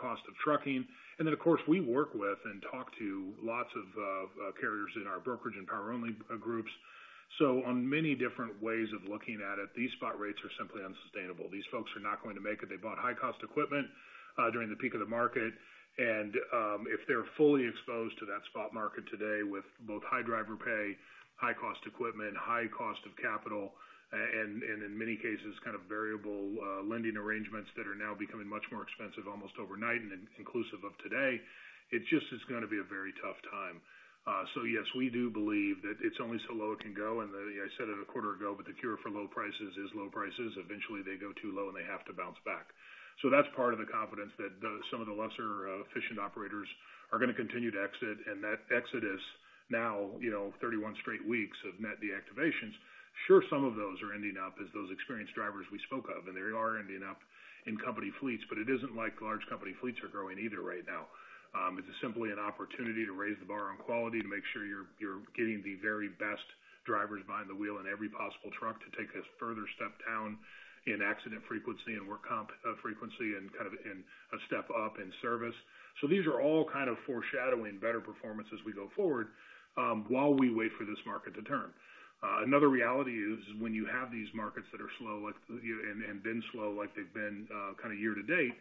cost of trucking. Of course, we work with and talk to lots of carriers in our brokerage and Power Only groups. On many different ways of looking at it, these spot rates are simply unsustainable. These folks are not going to make it. They bought high cost equipment during the peak of the market. If they're fully exposed to that spot market today with both high driver pay, high cost equipment, high cost of capital, and in many cases, kind of variable lending arrangements that are now becoming much more expensive almost overnight and inclusive of today, it just is gonna be a very tough time. Yes, we do believe that it's only so low it can go. I said it a quarter ago, but the cure for low prices is low prices. Eventually, they go too low, and they have to bounce back. That's part of the confidence that some of the lesser efficient operators are gonna continue to exit. That exit is now, you know, 31 straight weeks of net deactivations. Some of those are ending up as those experienced drivers we spoke of, and they are ending up in company fleets, but it isn't like large company fleets are growing either right now. It's simply an opportunity to raise the bar on quality to make sure you're getting the very best drivers behind the wheel in every possible truck to take this further step down in accident frequency and work comp frequency and kind of in a step up in service. These are all kind of foreshadowing better performance as we go forward, while we wait for this market to turn. Another reality is when you have these markets that are slow, like, you know, and been slow like they've been, kind of year to date,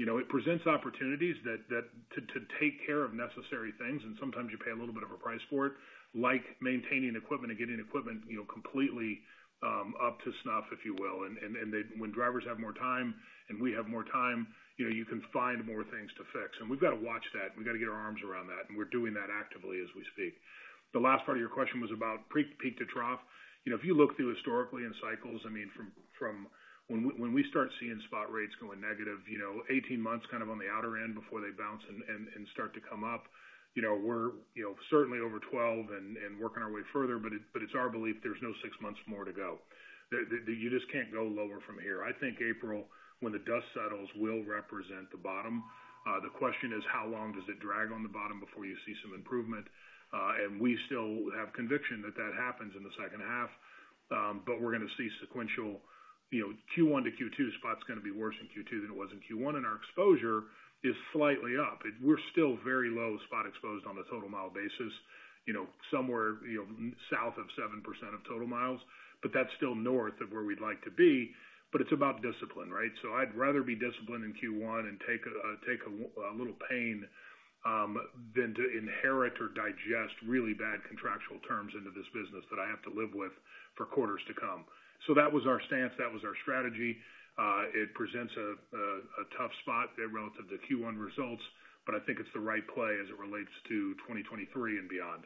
you know, it presents opportunities that to take care of necessary things, and sometimes you pay a little bit of a price for it, like maintaining equipment and getting equipment, you know, completely up to snuff, if you will. Then when drivers have more time and we have more time, you know, you can find more things to fix. We've got to watch that. We got to get our arms around that, and we're doing that actively as we speak. The last part of your question was about pre-peak to trough. You know, if you look through historically in cycles, I mean, from when we start seeing spot rates going negative, you know, 18 months kind of on the outer end before they bounce and start to come up, you know, we're, you know, certainly over 12 and working our way further, but it's our belief there's no 6 months more to go. You just can't go lower from here. I think April, when the dust settles, will represent the bottom. The question is, how long does it drag on the bottom before you see some improvement? We still have conviction that that happens in the second half, but we're gonna see sequential, you know, Q1 to Q2, spot's gonna be worse in Q2 than it was in Q1, and our exposure is slightly up. We're still very low spot exposed on a total mile basis, you know, somewhere, you know, south of 7% of total miles, but that's still north of where we'd like to be, but it's about discipline, right? I'd rather be disciplined in Q1 and take a little pain than to inherit or digest really bad contractual terms into this business that I have to live with for quarters to come. That was our stance, that was our strategy. It presents a tough spot there relative to Q1 results, but I think it's the right play as it relates to 2023 and beyond.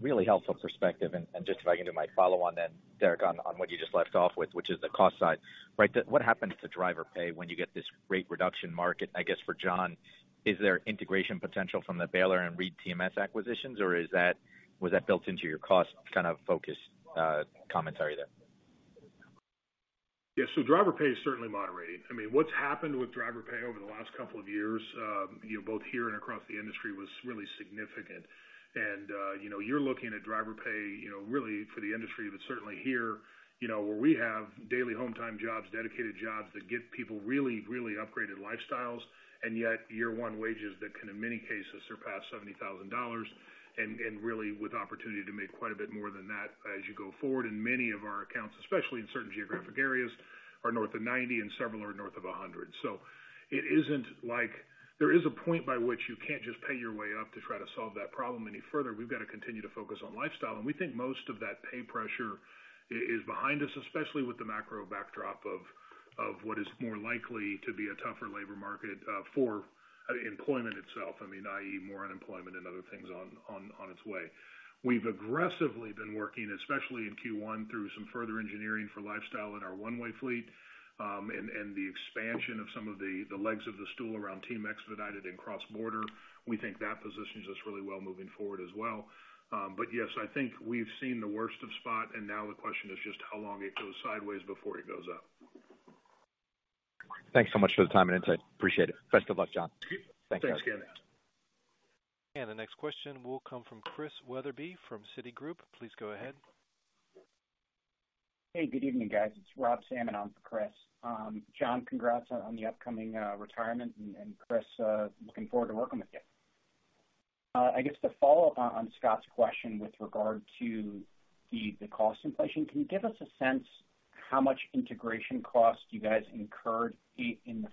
Really helpful perspective. Just if I can do my follow-on then, Derek, on what you just left off with, which is the cost side. Right. What happens to driver pay when you get this rate reduction market? I guess for John, is there integration potential from the Baylor and ReedTMS acquisitions, or is that, was that built into your cost kind of focus, commentary there? Yeah. Driver pay is certainly moderating. I mean, what's happened with driver pay over the last couple of years, you know, both here and across the industry was really significant. You know, you're looking at driver pay, you know, really for the industry, but certainly here, you know, where we have daily home time jobs, dedicated jobs that give people really, really upgraded lifestyles. Yet year 1 wages that can, in many cases, surpass $70,000 and really with opportunity to make quite a bit more than that as you go forward in many of our accounts, especially in certain geographic areas, are north of $90,000 and several are north of $100,000. It isn't like, there is a point by which you can't just pay your way up to try to solve that problem any further. We've got to continue to focus on lifestyle, and we think most of that pay pressure is behind us, especially with the macro backdrop of what is more likely to be a tougher labor market for employment itself, I mean, i.e., more unemployment and other things on its way. We've aggressively been working, especially in Q1, through some further engineering for lifestyle in our one-way fleet, and the expansion of some of the legs of the stool around team expedited and cross border. We think that positions us really well moving forward as well. Yes, I think we've seen the worst of spot and now the question is just how long it goes sideways before it goes up. Thanks so much for the time and insight. Appreciate it. Best of luck, John. Thanks, Ken. Thanks, guys. The next question will come from Chris Wetherbee from Citigroup. Please go ahead. Hey, good evening, guys. It's Robert Salmon on for Chris. John, congrats on the upcoming retirement, and Chris, looking forward to working with you. I guess to follow up on Scott's question with regard to the cost inflation, can you give us a sense how much integration costs you guys incurred in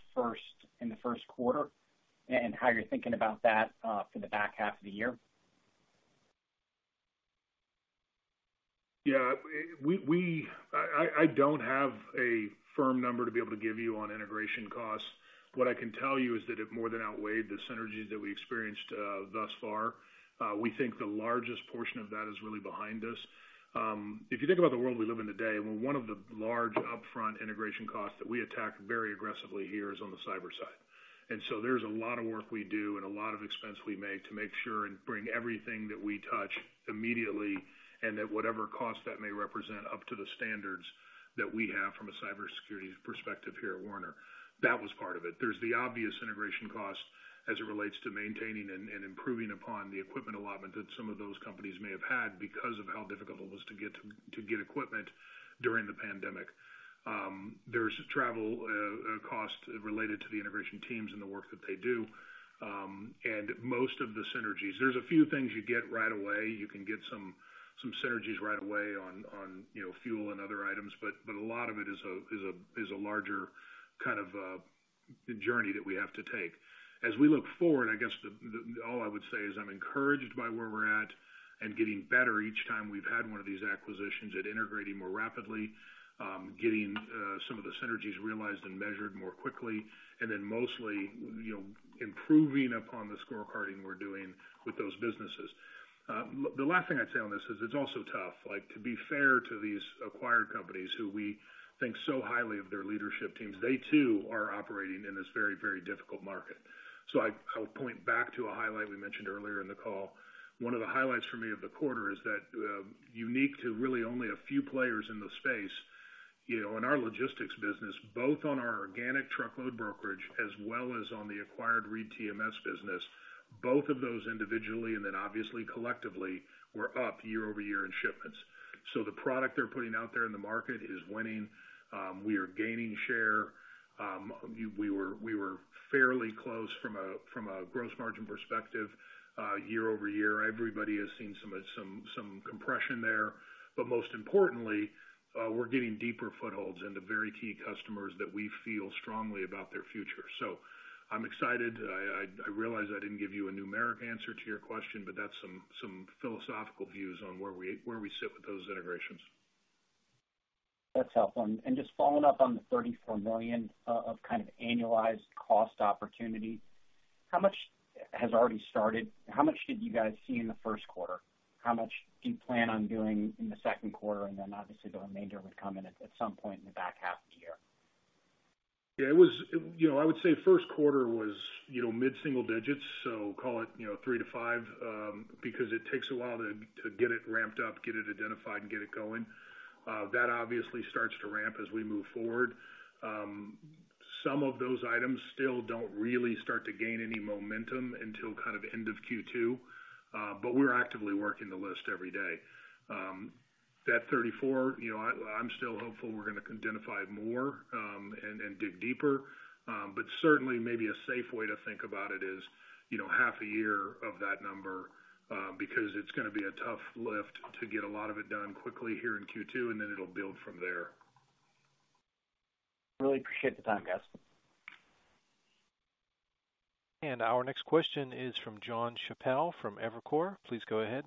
the first quarter, and how you're thinking about that for the back half of the year? Yeah. I don't have a firm number to be able to give you on integration costs. What I can tell you is that it more than outweighed the synergies that we experienced thus far. We think the largest portion of that is really behind us. If you think about the world we live in today, well, one of the large upfront integration costs that we attack very aggressively here is on the cyber side. There's a lot of work we do and a lot of expense we make to make sure and bring everything that we touch immediately and at whatever cost that may represent up to the standards that we have from a cybersecurity perspective here at Werner. That was part of it. There's the obvious integration cost as it relates to maintaining and improving upon the equipment allotment that some of those companies may have had because of how difficult it was to get equipment during the pandemic. There's travel cost related to the integration teams and the work that they do. Most of the synergies. There's a few things you get right away. You can get some synergies right away on, you know, fuel and other items, but a lot of it is a larger kind of journey that we have to take. As we look forward, I guess all I would say is I'm encouraged by where we're at. Getting better each time we've had one of these acquisitions at integrating more rapidly, getting some of the synergies realized and measured more quickly. Then mostly, you know, improving upon the scorecarding we're doing with those businesses. The last thing I'd say on this is it's also tough. Like, to be fair to these acquired companies who we think so highly of their leadership teams, they too are operating in this very, very difficult market. I'll point back to a highlight we mentioned earlier in the call. One of the highlights for me of the quarter is that unique to really only a few players in the space, you know, in our logistics business, both on our organic truckload brokerage as well as on the acquired ReedTMS business, both of those individually, and then obviously collectively, were up year-over-year in shipments. The product they're putting out there in the market is winning. We are gaining share. We were fairly close from a gross margin perspective year-over-year. Everybody has seen some compression there. Most importantly, we're getting deeper footholds into very key customers that we feel strongly about their future. I'm excited. I realize I didn't give you a numeric answer to your question, but that's some philosophical views on where we sit with those integrations. That's helpful. Just following up on the $34 million of kind of annualized cost opportunity, how much has already started? How much did you guys see in the first quarter? How much do you plan on doing in the second quarter? Obviously, the remainder would come in at some point in the back half of the year. Yeah, it was... You know, I would say first quarter was, you know, mid-single digits, so call it, you know, 3-5%, because it takes a while to get it ramped up, get it identified, and get it going. That obviously starts to ramp as we move forward. Some of those items still don't really start to gain any momentum until kind of end of Q2, but we're actively working the list every day. That 34, you know, I'm still hopeful we're gonna identify more, and dig deeper. Certainly maybe a safe way to think about it is, you know, half a year of that number, because it's gonna be a tough lift to get a lot of it done quickly here in Q2. Then it'll build from there. Really appreciate the time, guys. Our next question is from Jonathan Chappell from Evercore. Please go ahead.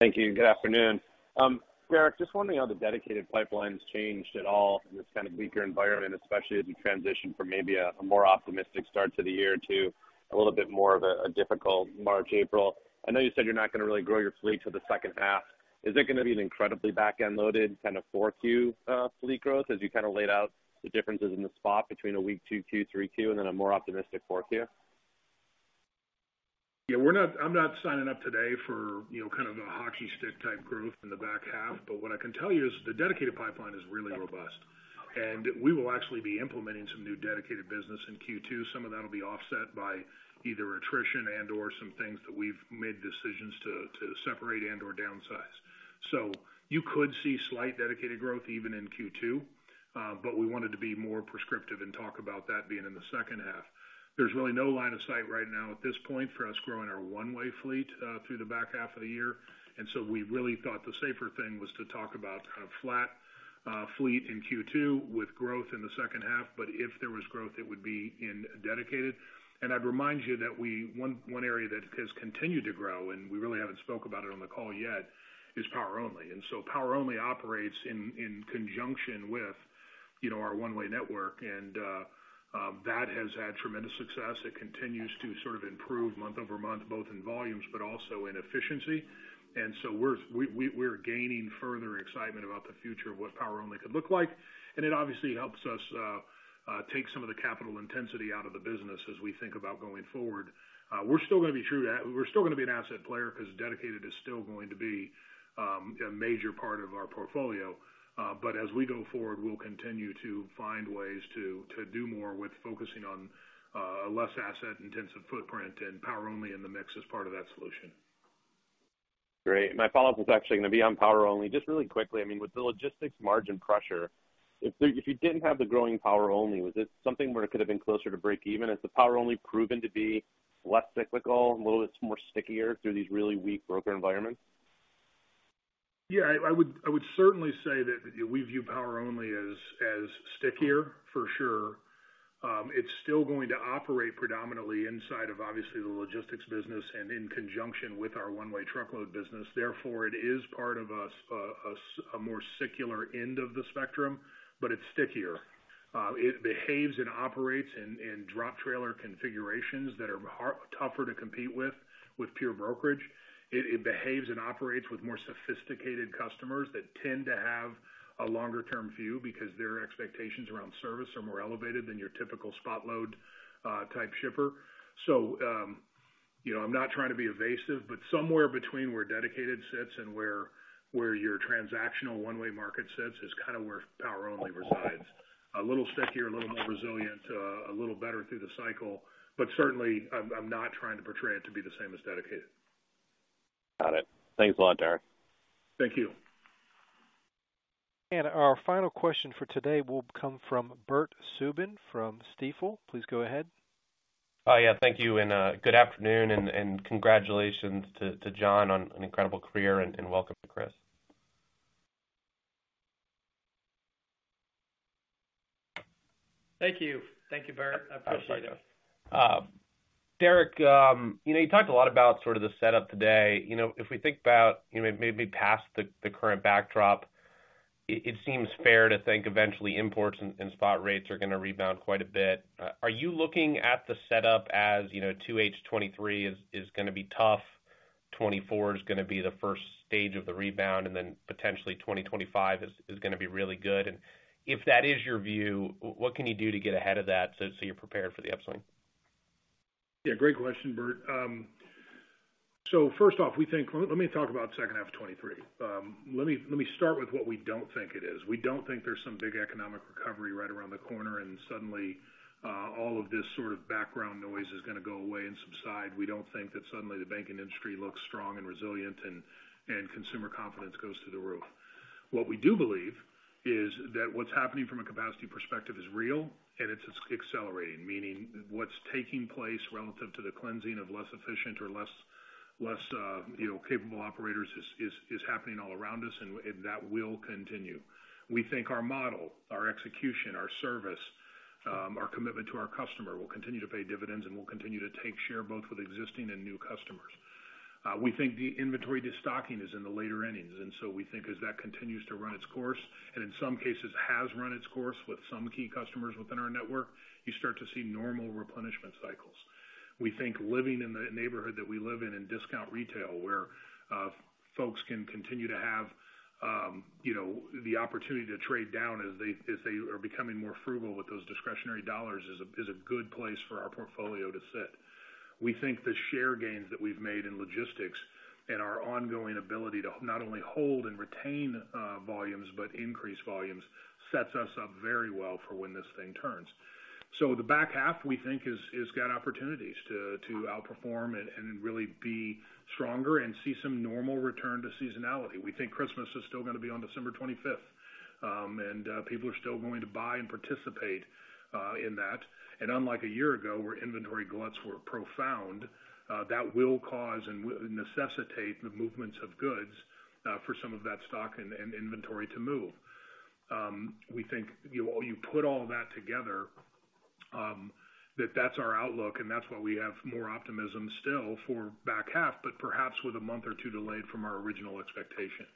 Thank you. Good afternoon. Derek, just wondering how the dedicated pipeline's changed at all in this kind of weaker environment, especially as you transition from maybe a more optimistic start to the year to a little bit more of a difficult March, April. I know you said you're not gonna really grow your fleet till the second half. Is it gonna be an incredibly back-end loaded kind of 4Q, fleet growth as you kind of laid out the differences in the spot between a weak 2Q, 3Q, and then a more optimistic fourth year? Yeah, I'm not signing up today for, you know, kind of a hockey stick type growth in the back half. What I can tell you is the dedicated pipeline is really robust. We will actually be implementing some new dedicated business in Q2. Some of that'll be offset by either attrition and/or some things that we've made decisions to separate and/or downsize. You could see slight dedicated growth even in Q2, but we wanted to be more prescriptive and talk about that being in the second half. There's really no line of sight right now at this point for us growing our one-way fleet through the back half of the year. We really thought the safer thing was to talk about kind of flat fleet in Q2 with growth in the second half. If there was growth, it would be in dedicated. I'd remind you that one area that has continued to grow, and we really haven't spoke about it on the call yet, is Power Only. Power Only operates in conjunction with, you know, our one-way network, and that has had tremendous success. It continues to sort of improve month-over-month, both in volumes but also in efficiency. We're gaining further excitement about the future of what Power Only could look like. It obviously helps us take some of the capital intensity out of the business as we think about going forward. We're still gonna be true to that. We're still gonna be an asset player 'cause dedicated is still going to be a major part of our portfolio. As we go forward, we'll continue to find ways to do more with focusing on a less asset-intensive footprint, and Power Only in the mix is part of that solution. Great. My follow-up is actually gonna be on Power Only. Just really quickly, I mean, with the logistics margin pressure, if you didn't have the growing Power Only, was it something where it could have been closer to breakeven? Has the Power Only proven to be less cyclical, a little bit more stickier through these really weak broker environments? Yeah. I would certainly say that we view Power Only as stickier, for sure. It's still going to operate predominantly inside of obviously the logistics business and in conjunction with our one-way truckload business. It is part of a more circular end of the spectrum, but it's stickier. It behaves and operates in drop trailer configurations that are tougher to compete with pure brokerage. It behaves and operates with more sophisticated customers that tend to have a longer term view because their expectations around service are more elevated than your typical spot load type shipper. You know, I'm not trying to be evasive, but somewhere between where dedicated sits and where your transactional one-way market sits is kind of where Power Only resides. A little stickier, a little more resilient, a little better through the cycle. Certainly, I'm not trying to portray it to be the same as dedicated. Got it. Thanks a lot, Derek. Thank you. Our final question for today will come from Bert Subin from Stifel. Please go ahead. Oh, yeah. Thank you, and good afternoon, and congratulations to John Steele on an incredible career and welcome to Chris Wikoff. Thank you. Thank you, Burt. I appreciate it. Derek, you know, you talked a lot about sort of the setup today. You know, if we think about, you know, maybe past the current backdrop, it seems fair to think eventually imports and spot rates are gonna rebound quite a bit. Are you looking at the setup as, you know, 2H23 is gonna be tough, 2024 is gonna be the first stage of the rebound, and then potentially 2025 is gonna be really good. If that is your view, what can you do to get ahead of that so you're prepared for the upswing? Yeah, great question, Burt. First off, we think... Let me talk about second half of 2023. Let me start with what we don't think it is. We don't think there's some big economic recovery right around the corner, suddenly, all of this sort of background noise is gonna go away and subside. We don't think that suddenly the banking industry looks strong and resilient and, consumer confidence goes through the roof. What we do believe is that what's happening from a capacity perspective is real, and it's accelerating. Meaning what's taking place relative to the cleansing of less efficient or less, you know, capable operators is happening all around us and that will continue. We think our model, our execution, our service, our commitment to our customer will continue to pay dividends and will continue to take share both with existing and new customers. We think the inventory de-stocking is in the later innings, and so we think as that continues to run its course, and in some cases has run its course with some key customers within our network, you start to see normal replenishment cycles. We think living in the neighborhood that we live in discount retail, where folks can continue to have, you know, the opportunity to trade down as they are becoming more frugal with those discretionary dollars is a good place for our portfolio to sit. We think the share gains that we've made in logistics and our ongoing ability to not only hold and retain volumes, but increase volumes, sets us up very well for when this thing turns. The back half, we think is got opportunities to outperform and really be stronger and see some normal return to seasonality. We think Christmas is still going to be on December 25th. People are still going to buy and participate in that. Unlike a year ago, where inventory gluts were profound, that will cause and necessitate the movements of goods for some of that stock and inventory to move. We think you all... you put all that together, that's our outlook. That's why we have more optimism still for back half, perhaps with a month or 2 delayed from our original expectation.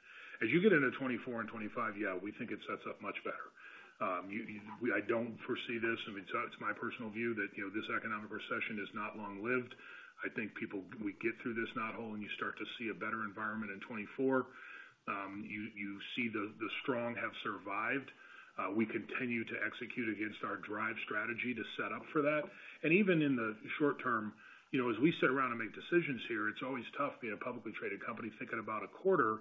As you get into 2024 and 2025, yeah, we think it sets up much better. I don't foresee this. I mean, it's my personal view that, you know, this economic recession is not long-lived. I think we get through this knothole. You start to see a better environment in 2024. You see the strong have survived. We continue to execute against our DRIVE strategy to set up for that. Even in the short term, you know, as we sit around and make decisions here, it's always tough being a publicly traded company thinking about a quarter,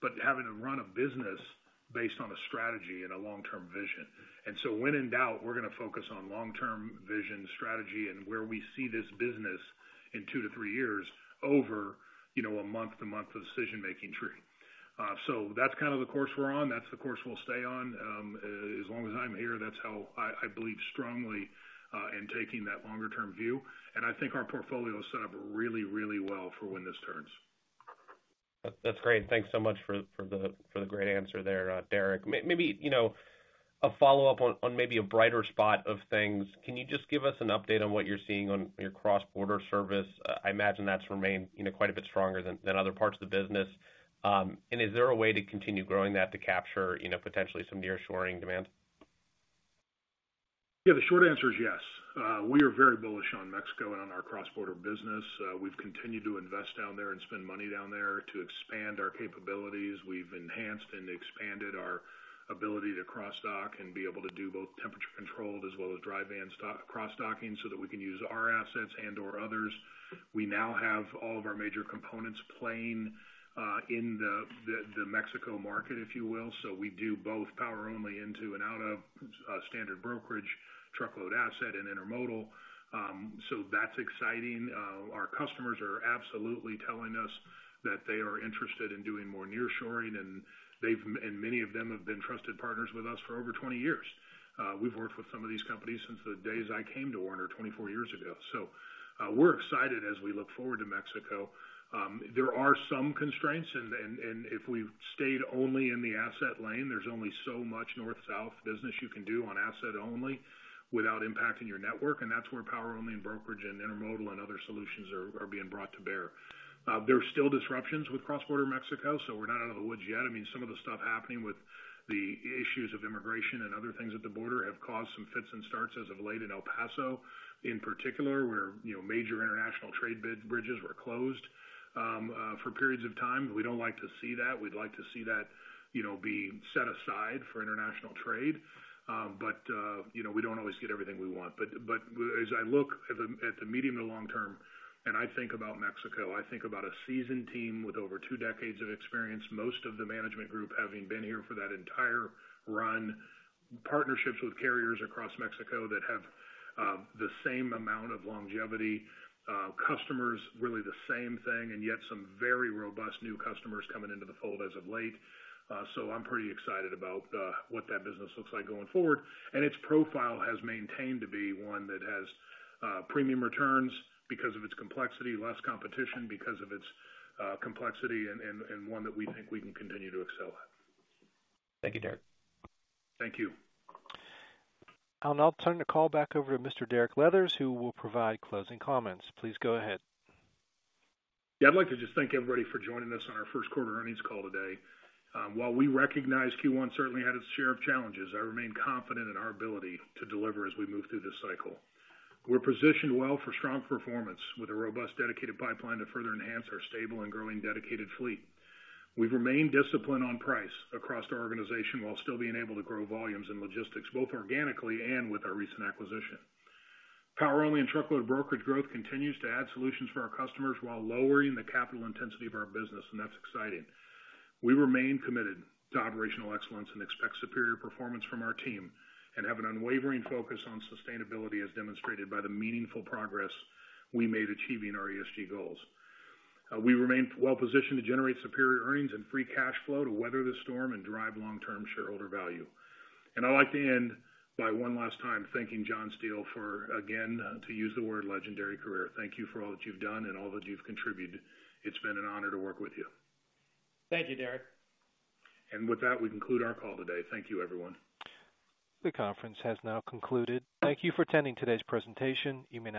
but having to run a business based on a strategy and a long-term vision. When in doubt, we're gonna focus on long-term vision, strategy, and where we see this business in two to three years over, you know, a month-to-month decision-making tree. That's kind of the course we're on. That's the course we'll stay on. As long as I'm here, that's how I believe strongly in taking that longer term view. I think our portfolio is set up really, really well for when this turns. That's great. Thanks so much for the, for the great answer there, Derek. Maybe, you know, a follow-up on maybe a brighter spot of things. Can you just give us an update on what you're seeing on your cross-border service? I imagine that's remained, you know, quite a bit stronger than other parts of the business. Is there a way to continue growing that to capture, you know, potentially some nearshoring demands? Yeah, the short answer is yes. We are very bullish on Mexico and on our cross-border business. We've continued to invest down there and spend money down there to expand our capabilities. We've enhanced and expanded our ability to cross-dock and be able to do both temperature controlled as well as dry van cross-docking so that we can use our assets and/or others. We now have all of our major components playing in the Mexico market, if you will. We do both Power Only into and out of standard brokerage, truckload asset and intermodal. That's exciting. Our customers are absolutely telling us that they are interested in doing more nearshoring, and many of them have been trusted partners with us for over 20 years. We've worked with some of these companies since the days I came to Werner 24 years ago. We're excited as we look forward to Mexico. There are some constraints and if we stayed only in the asset lane, there's only so much North/South business you can do on asset only without impacting your network, and that's where Power Only and brokerage and intermodal and other solutions are being brought to bear. There are still disruptions with cross-border Mexico. We're not out of the woods yet. I mean, some of the stuff happening with the issues of immigration and other things at the border have caused some fits and starts as of late in El Paso, in particular, where, you know, major international trade bridges were closed for periods of time. We don't like to see that. We'd like to see that, you know, be set aside for international trade. You know, we don't always get everything we want. As I look at the medium and long term, and I think about Mexico, I think about a seasoned team with over two decades of experience, most of the management group having been here for that entire run, partnerships with carriers across Mexico that have the same amount of longevity, customers, really the same thing, and yet some very robust new customers coming into the fold as of late. I'm pretty excited about what that business looks like going forward. Its profile has maintained to be one that has premium returns because of its complexity, less competition because of its complexity and one that we think we can continue to excel at. Thank you, Derek. Thank you. I'll now turn the call back over to Mr. Derek Leathers, who will provide closing comments. Please go ahead. Yeah, I'd like to just thank everybody for joining us on our first quarter earnings call today. While we recognize Q1 certainly had its share of challenges, I remain confident in our ability to deliver as we move through this cycle. We're positioned well for strong performance with a robust dedicated pipeline to further enhance our stable and growing dedicated fleet. We've remained disciplined on price across the organization while still being able to grow volumes and logistics, both organically and with our recent acquisition. Power Only and truckload brokerage growth continues to add solutions for our customers while lowering the capital intensity of our business, and that's exciting. We remain committed to operational excellence and expect superior performance from our team and have an unwavering focus on sustainability as demonstrated by the meaningful progress we made achieving our ESG goals. We remain well positioned to generate superior earnings and free cash flow to weather the storm and drive long-term shareholder value. I'd like to end by one last time thanking John Steele for, again, to use the word legendary career. Thank you for all that you've done and all that you've contributed. It's been an honor to work with you. Thank you, Derek. With that, we conclude our call today. Thank you, everyone. The conference has now concluded. Thank you for attending today's presentation. You may now disconnect.